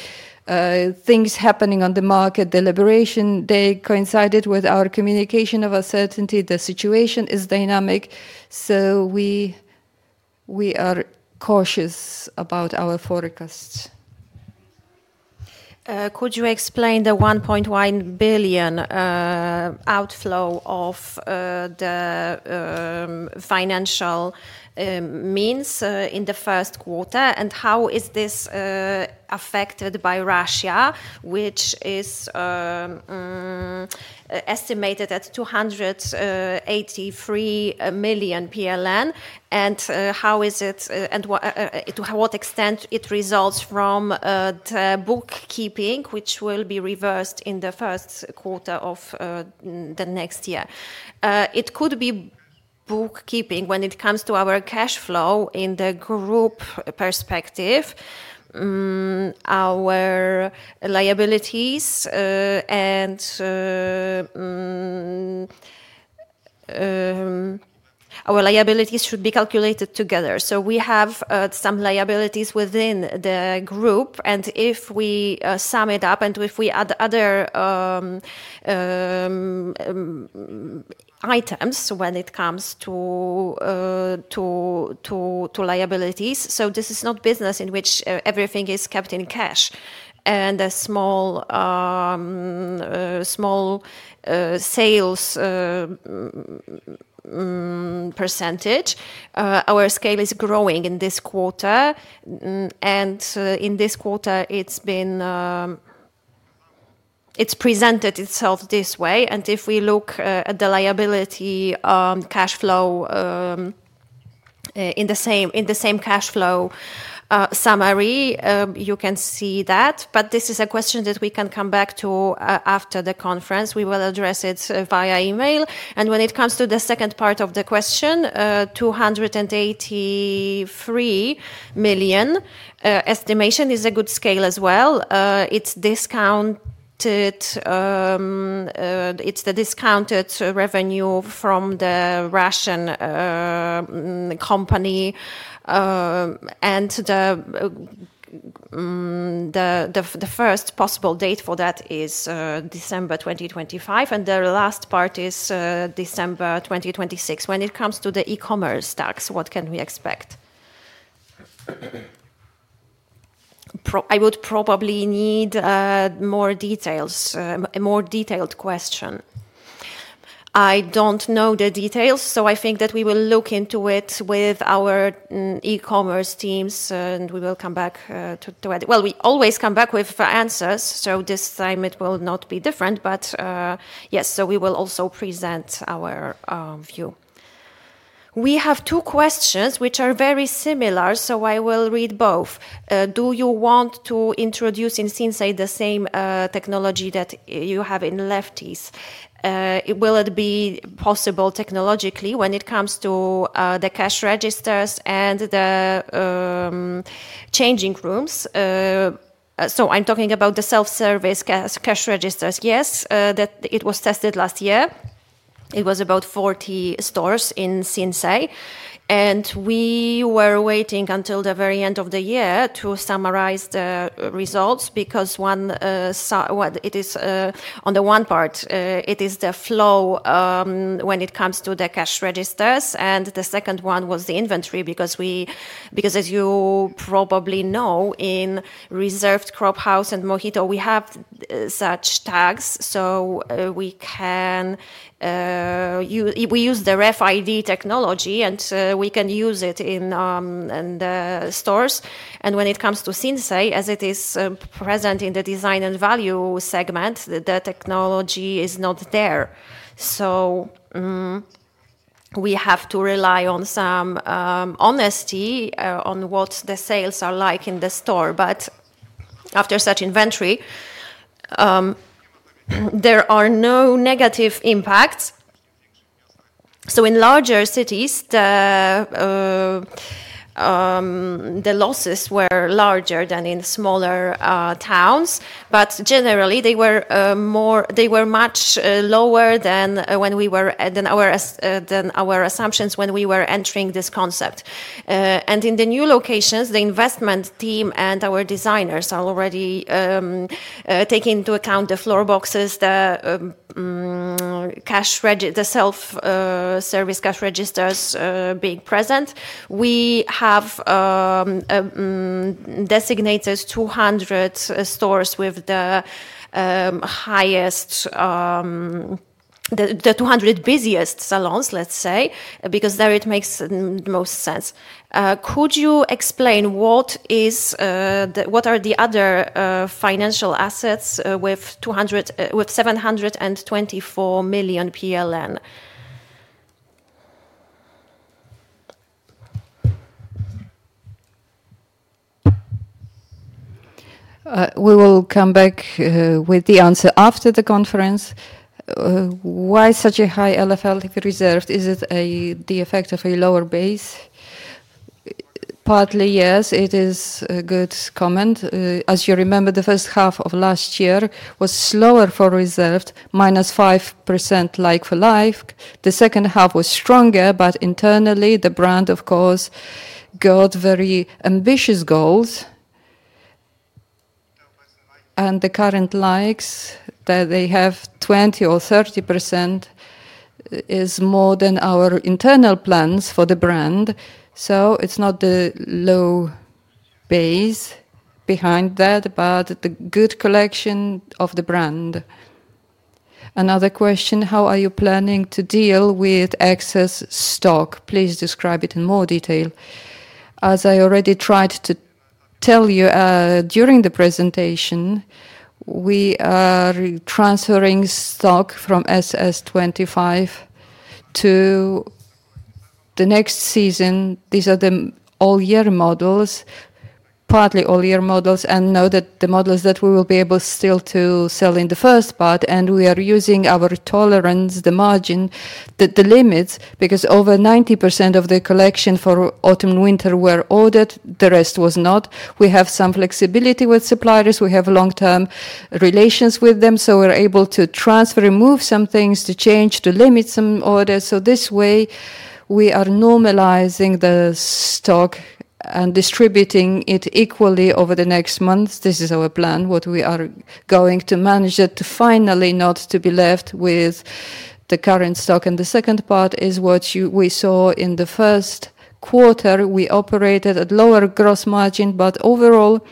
things happening on the market. The Liberation Day coincided with our communication of uncertainty. The situation is dynamic. We are cautious about our forecasts. Could you explain the 1.1 billion outflow of the financial means in the first quarter? How is this affected by Russia, which is estimated at 283 million PLN? How is it and to what extent does it result from the bookkeeping, which will be reversed in the first quarter of the next year? It could be bookkeeping when it comes to our cash flow in the group perspective. Our liabilities and our liabilities should be calculated together. We have some liabilities within the group. If we sum it up and if we add other items when it comes to liabilities, this is not business in which everything is kept in cash and a small sales percentage. Our scale is growing in this quarter. In this quarter, it has presented itself this way. If we look at the liability cash flow in the same cash flow summary, you can see that. This is a question that we can come back to after the conference. We will address it via email. When it comes to the second part of the question, 283 million estimation is a good scale as well. It is discounted. It is the discounted revenue from the Russian company. The first possible date for that is December 2025. The last part is December 2026. When it comes to the e-commerce tax, what can we expect? I would probably need more details, a more detailed question. I do not know the details, so I think that we will look into it with our e-commerce teams and we will come back to it. We always come back with answers. This time it will not be different. Yes, we will also present our view. We have two questions which are very similar, so I will read both. Do you want to introduce in Sinsay the same technology that you have in Lefties? Will it be possible technologically when it comes to the cash registers and the changing rooms? I'm talking about the self-service cash registers. Yes, that was tested last year. It was about 40 stores in Sinsay. We were waiting until the very end of the year to summarize the results because, one, what it is on the one part, it is the flow when it comes to the cash registers. The second one was the inventory because, as you probably know, in Reserved, Cropp, House, and Mohito, we have such tags. We can use the RFID technology and we can use it in the stores. When it comes to Sinsay, as it is present in the design and value segment, the technology is not there. We have to rely on some honesty on what the sales are like in the store. After such inventory, there are no negative impacts. In larger cities, the losses were larger than in smaller towns, but generally they were much lower than our assumptions when we were entering this concept. In the new locations, the investment team and our designers are already taking into account the floor boxes, the cash register, the self-service cash registers being present. We have designated 200 stores with the highest, the 200 busiest salons, let's say, because there it makes the most sense. Could you explain what are the other financial assets with PLN 724 million? We will come back with the answer after the conference. Why such a high LFL to Reserved? Is it the effect of a lower base? Partly, yes, it is a good comment. As you remember, the first half of last year was slower for Reserved -5% like for like. The second half was stronger, but internally, the brand, of course, got very ambitious goals. The current likes that they have, 20% or 30%, is more than our internal plans for the brand. It is not the low base behind that, but the good collection of the brand. Another question, how are you planning to deal with excess stock? Please describe it in more detail. As I already tried to tell you during the presentation, we are transferring stock from SS25 to the next season. These are the all-year models, partly all-year models, and know that the models that we will be able still to sell in the first part. We are using our tolerance, the margin, the limits, because over 90% of the collection for autumn-winter were ordered. The rest was not. We have some flexibility with suppliers. We have long-term relations with them. We are able to transfer and move some things to change, to limit some orders. This way, we are normalizing the stock and distributing it equally over the next months. This is our plan, what we are going to manage it to finally not to be left with the current stock. The second part is what we saw in the first quarter. We operated at lower gross margin, but overall,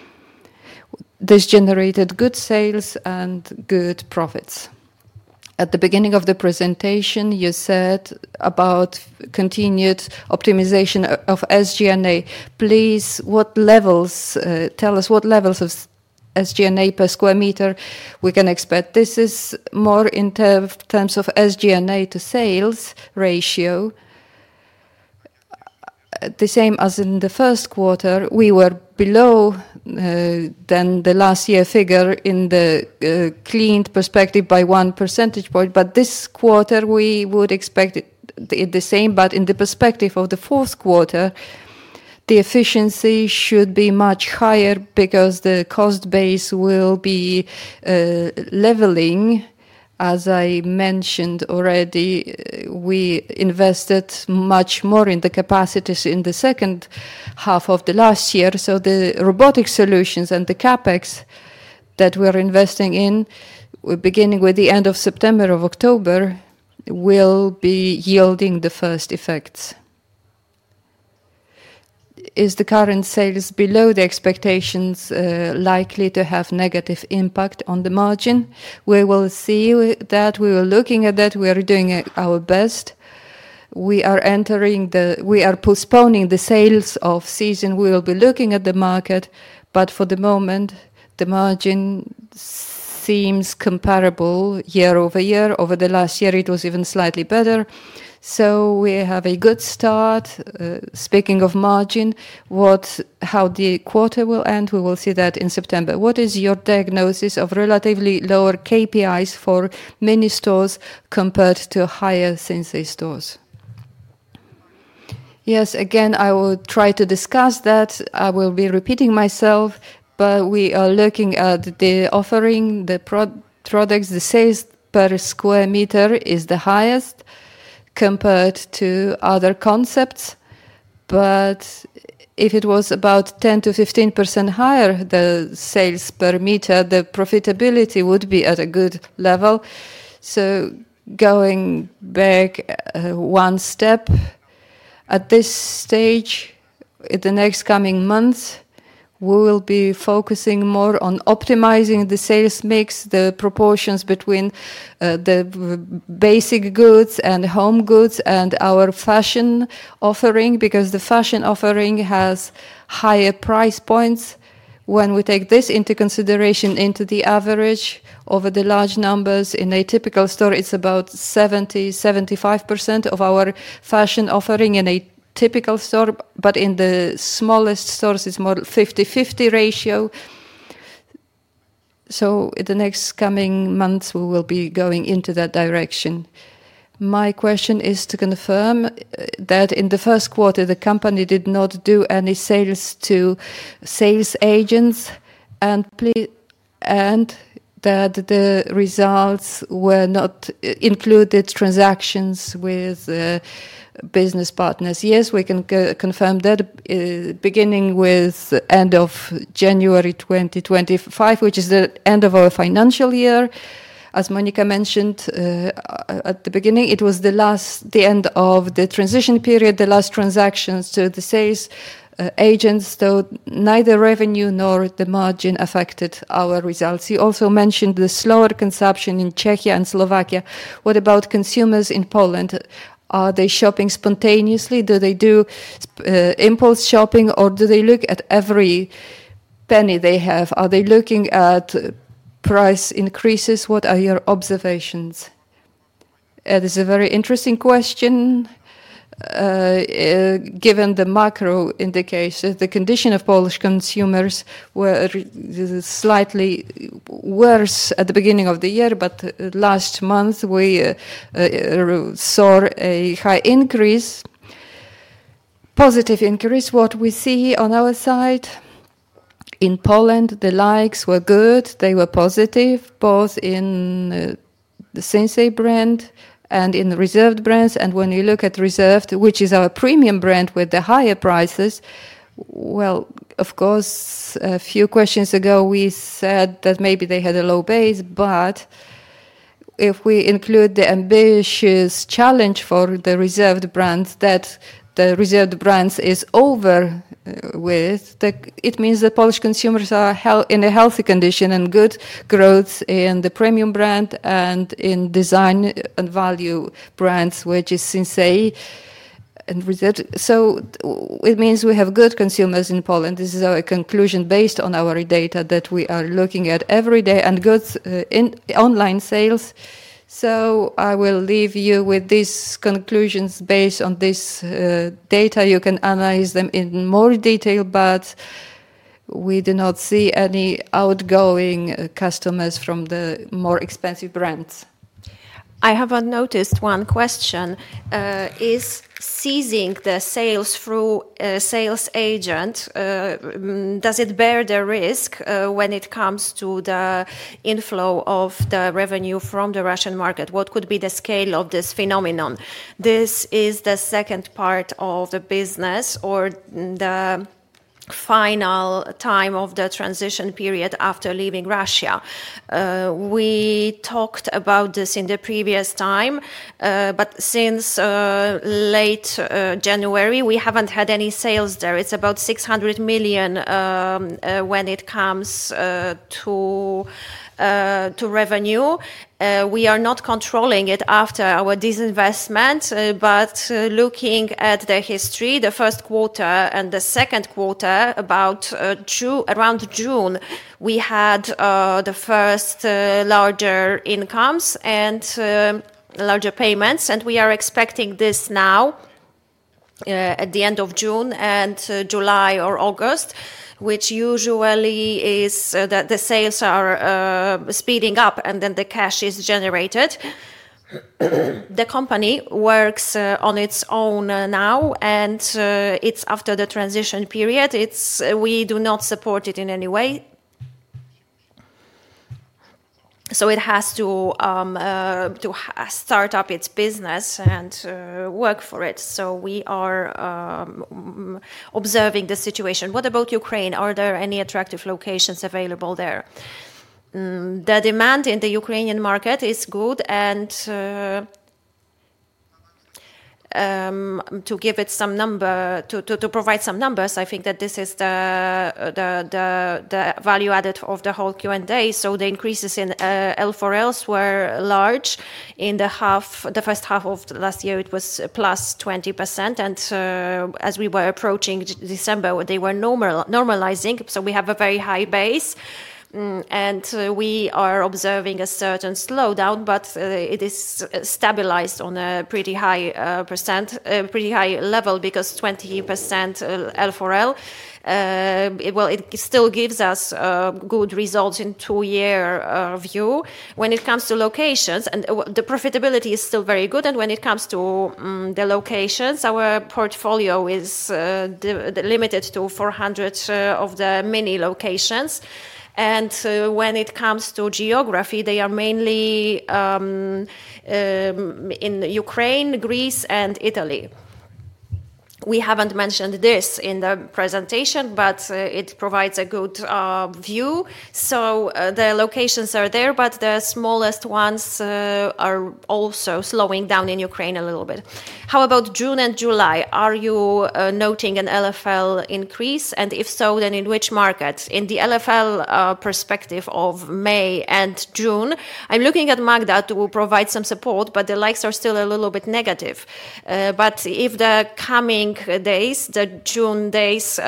this generated good sales and good profits. At the beginning of the presentation, you said about continued optimization of SG&A. Please, what levels? Tell us what levels of SG&A per sq m we can expect. This is more in terms of SG&A to sales ratio. The same as in the first quarter, we were below than the last year figure in the cleaned perspective by one percentage point. This quarter, we would expect it the same. In the perspective of the fourth quarter, the efficiency should be much higher because the cost base will be leveling. As I mentioned already, we invested much more in the capacities in the second half of the last year. The robotic solutions and the CapEx that we're investing in, beginning with the end of September or October, will be yielding the first effects. Is the current sales below the expectations likely to have negative impact on the margin? We will see that. We were looking at that. We are doing our best. We are postponing the sales of season. We will be looking at the market. For the moment, the margin seems comparable year-over-year. Over the last year, it was even slightly better. We have a good start. Speaking of margin, how the quarter will end, we will see that in September. What is your diagnosis of relatively lower KPIs for many stores compared to higher Sinsay stores? Yes, again, I will try to discuss that. I will be repeating myself, but we are looking at the offering, the products. The sales per sq m is the highest compared to other concepts. If it was about 10%-15% higher, the sales per meter, the profitability would be at a good level. Going back one step, at this stage, in the next coming months, we will be focusing more on optimizing the sales mix, the proportions between the basic goods and home goods and our fashion offering, because the fashion offering has higher price points. When we take this into consideration, into the average over the large numbers in a typical store, it is about 70%-75% of our fashion offering in a typical store. In the smallest stores, it is more a 50/50 ratio. In the next coming months, we will be going into that direction. My question is to confirm that in the first quarter, the company did not do any sales to sales agents and that the results were not included transactions with business partners. Yes, we can confirm that beginning with the end of January 2025, which is the end of our financial year. As Monika mentioned at the beginning, it was the end of the transition period, the last transactions to the sales agents. So neither revenue nor the margin affected our results. You also mentioned the slower consumption in Czech Republic and Slovakia. What about consumers in Poland? Are they shopping spontaneously? Do they do impulse shopping or do they look at every penny they have? Are they looking at price increases? What are your observations? That is a very interesting question. Given the macro indications, the condition of Polish consumers was slightly worse at the beginning of the year, but last month, we saw a high increase, positive increase. What we see on our side in Poland, the likes were good. They were positive both in the Sinsay brand and in the Reserved brands. When you look at Reserved, which is our premium brand with the higher prices, of course, a few questions ago, we said that maybe they had a low base. If we include the ambitious challenge for the Reserved brands that the Reserved brands is over with, it means that Polish consumers are in a healthy condition and good growth in the premium brand and in design and value brands, which is Sinsay. It means we have good consumers in Poland. This is our conclusion based on our data that we are looking at every day and goods in online sales. I will leave you with these conclusions based on this data. You can analyze them in more detail, but we do not see any outgoing customers from the more expensive brands. I have noticed one question. Is seizing the sales through a sales agent, does it bear the risk when it comes to the inflow of the revenue from the Russian market? What could be the scale of this phenomenon? This is the second part of the business or the final time of the transition period after leaving Russia. We talked about this in the previous time, but since late January, we have not had any sales there. It is about 600 million when it comes to revenue. We are not controlling it after our disinvestment, but looking at the history, the first quarter and the second quarter, about around June, we had the first larger incomes and larger payments. We are expecting this now at the end of June and July or August, which usually is that the sales are speeding up and then the cash is generated. The company works on its own now, and it is after the transition period. We do not support it in any way. It has to start up its business and work for it. We are observing the situation. What about Ukraine? Are there any attractive locations available there? The demand in the Ukrainian market is good. To give it some number, to provide some numbers, I think that this is the value added of the whole Q&A. The increases in LFLs were large. In the first half of last year, it was +20%. As we were approaching December, they were normalizing. We have a very high base. We are observing a certain slowdown, but it is stabilized on a pretty high percent, pretty high level because 20% LFL, it still gives us good results in a two-year view. When it comes to locations, the profitability is still very good. When it comes to the locations, our portfolio is limited to 400 of the many locations. When it comes to geography, they are mainly in Ukraine, Greece, and Italy. We have not mentioned this in the presentation, but it provides a good view. The locations are there, but the smallest ones are also slowing down in Ukraine a little bit. How about June and July? Are you noting an LFL increase? If so, then in which market? In the LFL perspective of May and June, I am looking at Magda to provide some support, but the likes are still a little bit negative. If the coming days, the June days,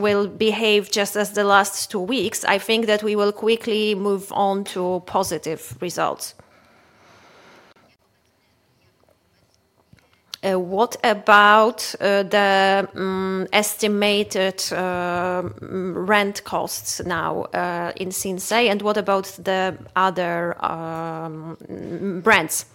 will behave just as the last two weeks, I think that we will quickly move on to positive results. What about the estimated rent costs now in Sinsay? What about the other brands?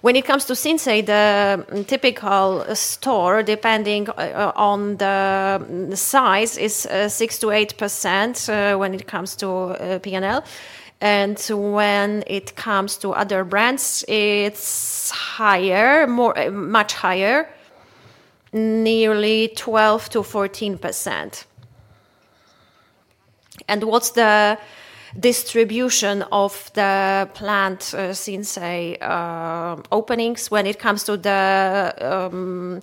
When it comes to Sinsay, the typical store, depending on the size, is 6%-8% when it comes to P&L. When it comes to other brands, it is higher, much higher, nearly 12%-14%. What is the distribution of the planned Sinsay openings when it comes to the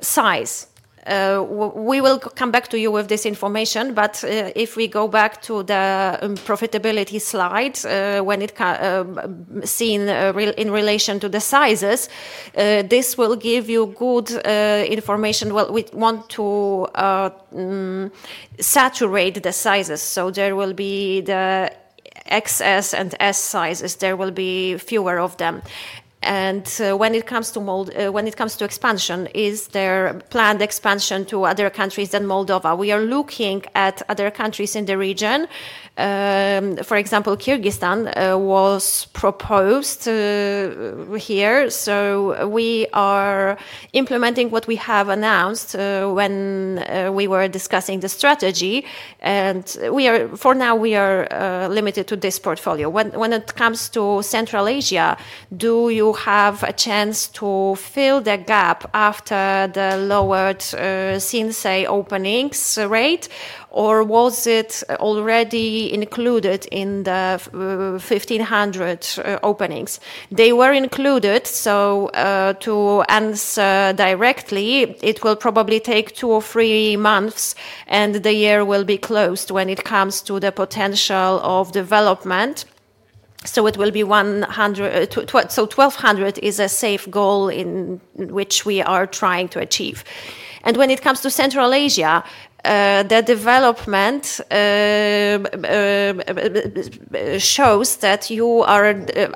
size? We will come back to you with this information, but if we go back to the profitability slides, when it is seen in relation to the sizes, this will give you good information. We want to saturate the sizes. There will be the XS and S sizes. There will be fewer of them. When it comes to expansion, is there planned expansion to other countries than Moldova? We are looking at other countries in the region. For example, Kyrgyzstan was proposed here. We are implementing what we have announced when we were discussing the strategy. For now, we are limited to this portfolio. When it comes to Central Asia, do you have a chance to fill the gap after the lowered Sinsay openings rate, or was it already included in the 1,500 openings? They were included. To answer directly, it will probably take two or three months, and the year will be closed when it comes to the potential of development. It will be 100, so 1,200 is a safe goal which we are trying to achieve. When it comes to Central Asia, the development shows that you are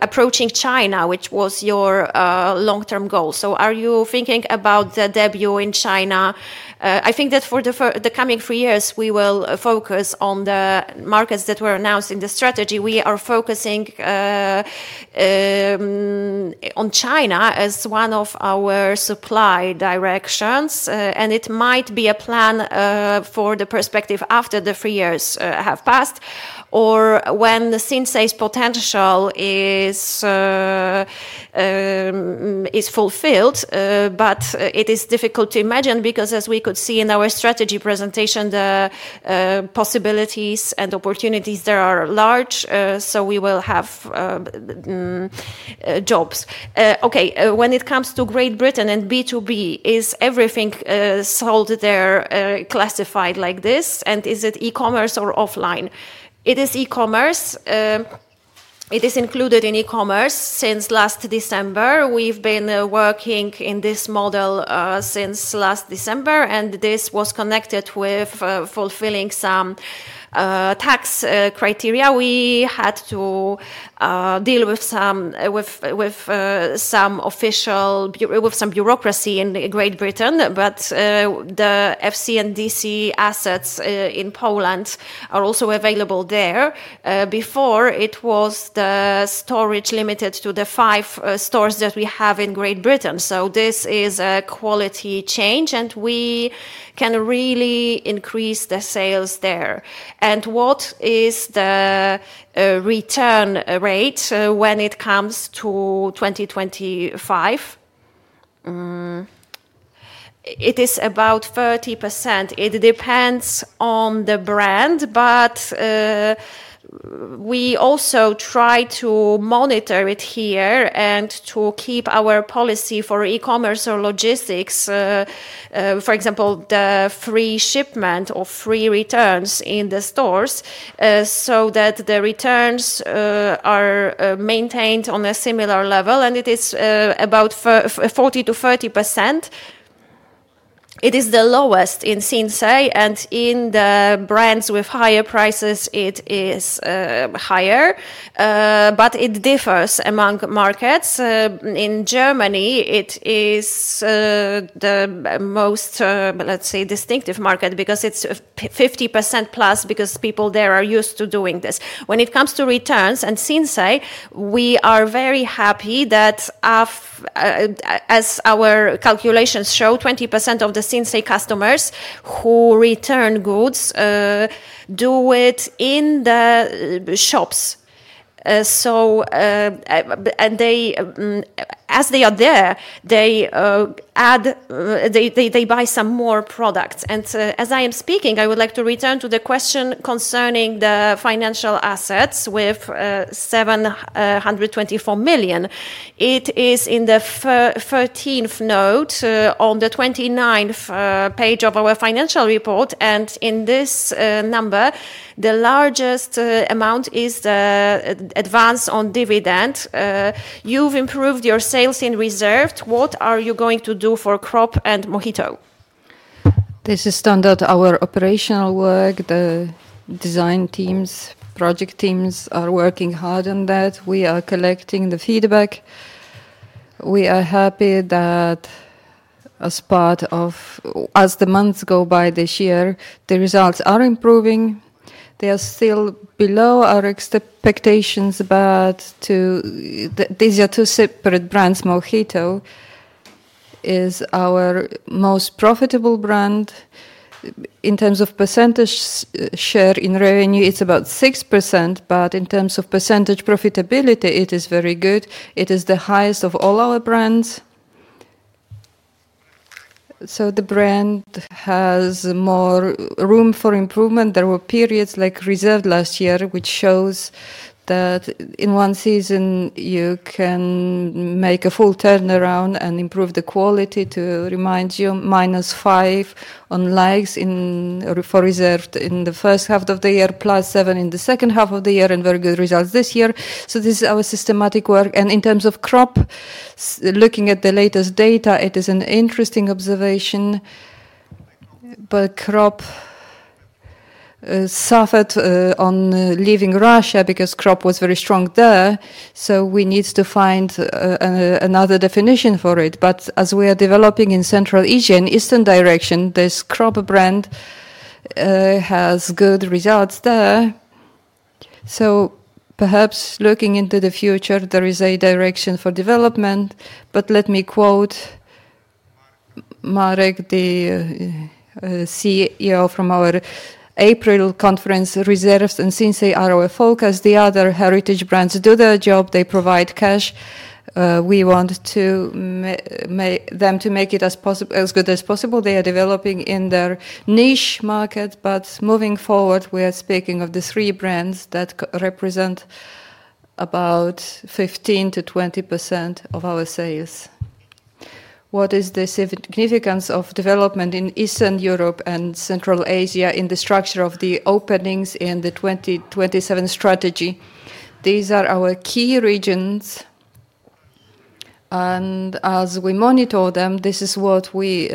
approaching China, which was your long-term goal. Are you thinking about the debut in China? I think that for the coming three years, we will focus on the markets that were announced in the strategy. We are focusing on China as one of our supply directions. It might be a plan for the perspective after the three years have passed or when Sinsay's potential is fulfilled. It is difficult to imagine because, as we could see in our strategy presentation, the possibilities and opportunities there are large, so we will have jobs. Okay, when it comes to Great Britain and B2B, is everything sold there classified like this? Is it e-commerce or offline? It is e-commerce. It is included in e-commerce since last December. We've been working in this model since last December, and this was connected with fulfilling some tax criteria. We had to deal with some bureaucracy in Great Britain, but the FC and DC assets in Poland are also available there. Before, it was the storage limited to the five stores that we have in Great Britain. This is a quality change, and we can really increase the sales there. What is the return rate when it comes to 2025? It is about 30%. It depends on the brand, but we also try to monitor it here and to keep our policy for e-commerce or logistics, for example, the free shipment or free returns in the stores so that the returns are maintained on a similar level. It is about 40%-30%. It is the lowest in Sinsay, and in the brands with higher prices, it is higher, but it differs among markets. In Germany, it is the most, let's say, distinctive market because it's +50% because people there are used to doing this. When it comes to returns and Sinsay, we are very happy that, as our calculations show, 20% of the Sinsay customers who return goods do it in the shops. As they are there, they buy some more products. As I am speaking, I would like to return to the question concerning the financial assets with 724 million. It is in the 13th note on the 29th page of our financial report. In this number, the largest amount is the advance on dividend. You have improved your sales in Reserved. What are you going to do for Cropp and Mohito? This is standard. Our operational work, the design teams, project teams are working hard on that. We are collecting the feedback. We are happy that as the months go by this year, the results are improving. They are still below our expectations, but these are two separate brands. Mohito is our most profitable brand. In terms of percentage share in revenue, it's about 6%, but in terms of percentage profitability, it is very good. It is the highest of all our brands. The brand has more room for improvement. There were periods like Reserved last year, which shows that in one season, you can make a full turnaround and improve the quality. To remind you, -5% on likes for Reserved in the first half of the year, +7% in the second half of the year, and very good results this year. This is our systematic work. In terms of Cropp, looking at the latest data, it is an interesting observation. Cropp suffered on leaving Russia because Cropp was very strong there. We need to find another definition for it. As we are developing in Central Asia and the Eastern direction, this Cropp brand has good results there. Perhaps looking into the future, there is a direction for development. Let me quote Marek, the CEO from our April conference, "Reserved and Sinsay are our focus. The other heritage brands do their job. They provide cash. We want them to make it as good as possible. They are developing in their niche market." Moving forward, we are speaking of the three brands that represent about 15%-20% of our sales. What is the significance of development in Eastern Europe and Central Asia in the structure of the openings in the 2027 strategy? These are our key regions. As we monitor them, this is what we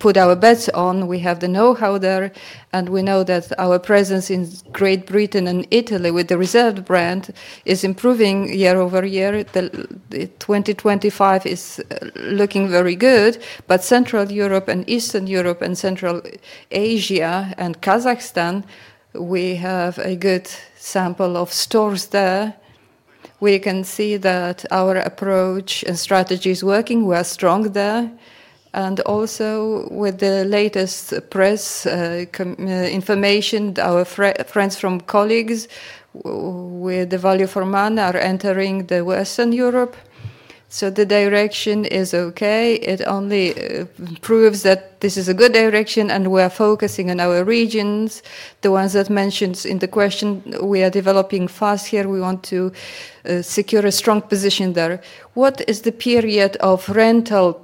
put our bets on. We have the know-how there, and we know that our presence in Great Britain and Italy with the Reserved brand is improving year-over-year. 2025 is looking very good, but Central Europe and Eastern Europe and Central Asia and Kazakhstan, we have a good sample of stores there. We can see that our approach and strategy is working. We are strong there. Also, with the latest press information, our friends from colleagues with the value for money are entering Western Europe. The direction is okay. It only proves that this is a good direction, and we are focusing on our regions. The ones that mentioned in the question, we are developing fast here. We want to secure a strong position there. What is the period of rental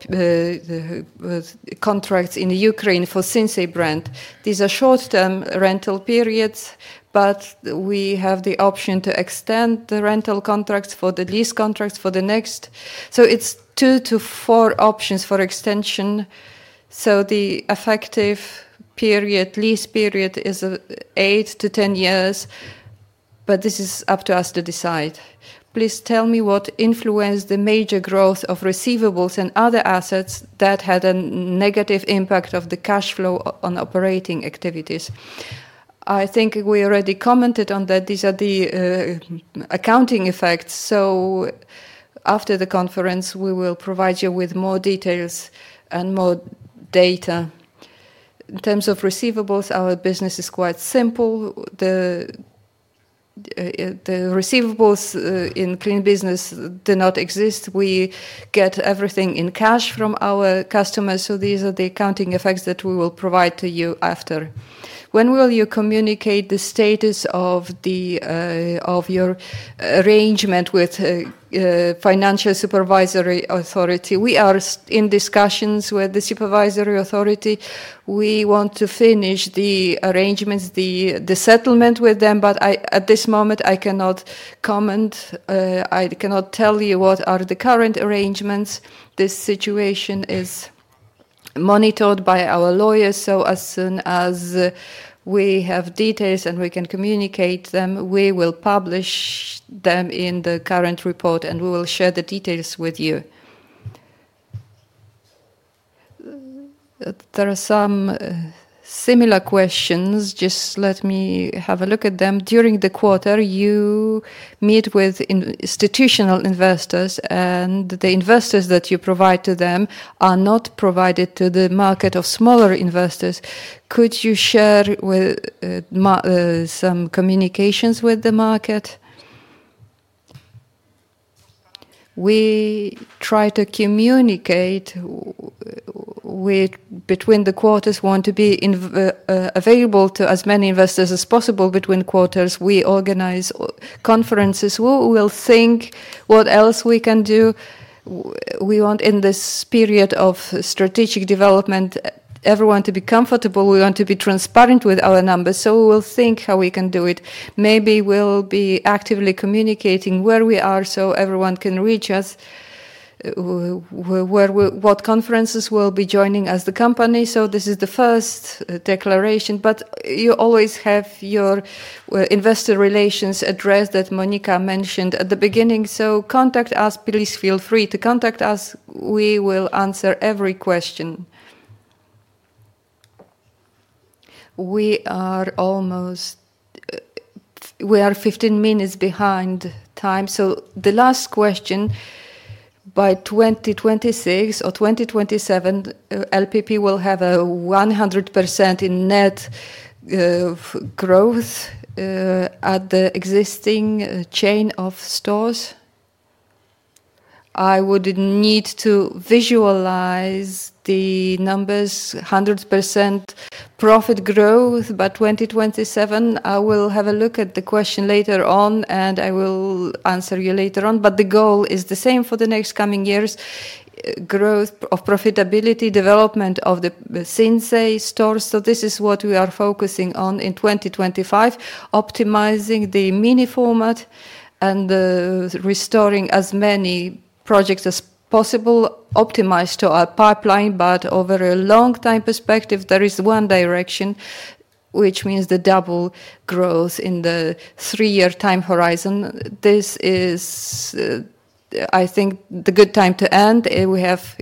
contracts in Ukraine for Sinsay brand? These are short-term rental periods, but we have the option to extend the rental contracts for the lease contracts for the next. It is two to four options for extension. The effective lease period is 8 years-10 years, but this is up to us to decide. Please tell me what influenced the major growth of receivables and other assets that had a negative impact on the cash flow on operating activities. I think we already commented on that. These are the accounting effects. After the conference, we will provide you with more details and more data. In terms of receivables, our business is quite simple. The receivables in clean business do not exist. We get everything in cash from our customers. These are the accounting effects that we will provide to you after. When will you communicate the status of your arrangement with the financial supervisory authority? We are in discussions with the supervisory authority. We want to finish the arrangements, the settlement with them, but at this moment, I cannot comment. I cannot tell you what are the current arrangements. This situation is monitored by our lawyers. As soon as we have details and we can communicate them, we will publish them in the current report, and we will share the details with you. There are some similar questions. Just let me have a look at them. During the quarter, you meet with institutional investors, and the investors that you provide to them are not provided to the market of smaller investors. Could you share some communications with the market? We try to communicate between the quarters, want to be available to as many investors as possible between quarters. We organize conferences. We will think what else we can do. We want, in this period of strategic development, everyone to be comfortable. We want to be transparent with our numbers. We will think how we can do it. Maybe we'll be actively communicating where we are so everyone can reach us, what conferences we'll be joining as the company. This is the first declaration, but you always have your investor relations address that Monika mentioned at the beginning. Contact us. Please feel free to contact us. We will answer every question. We are almost 15 minutes behind time. The last question, by 2026 or 2027, LPP will have a 100% in net growth at the existing chain of stores. I would need to visualize the numbers, 100% profit growth. 2027, I will have a look at the question later on, and I will answer you later on. The goal is the same for the next coming years: growth of profitability, development of the Sinsay stores. This is what we are focusing on in 2025, optimizing the mini format and restoring as many projects as possible, optimized to our pipeline. Over a long-time perspective, there is one direction, which means the double growth in the three-year time horizon. I think this is the good time to end.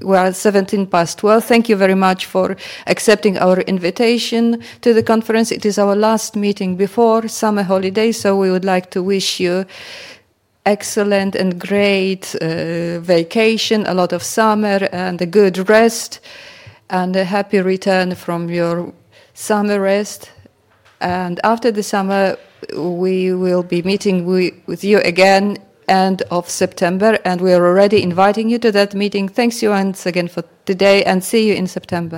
We are 17 past 12. Thank you very much for accepting our invitation to the conference. It is our last meeting before summer holidays, so we would like to wish you excellent and great vacation, a lot of summer, and a good rest and a happy return from your summer rest. After the summer, we will be meeting with you again at the end of September, and we are already inviting you to that meeting. Thanks once again for today, and see you in September.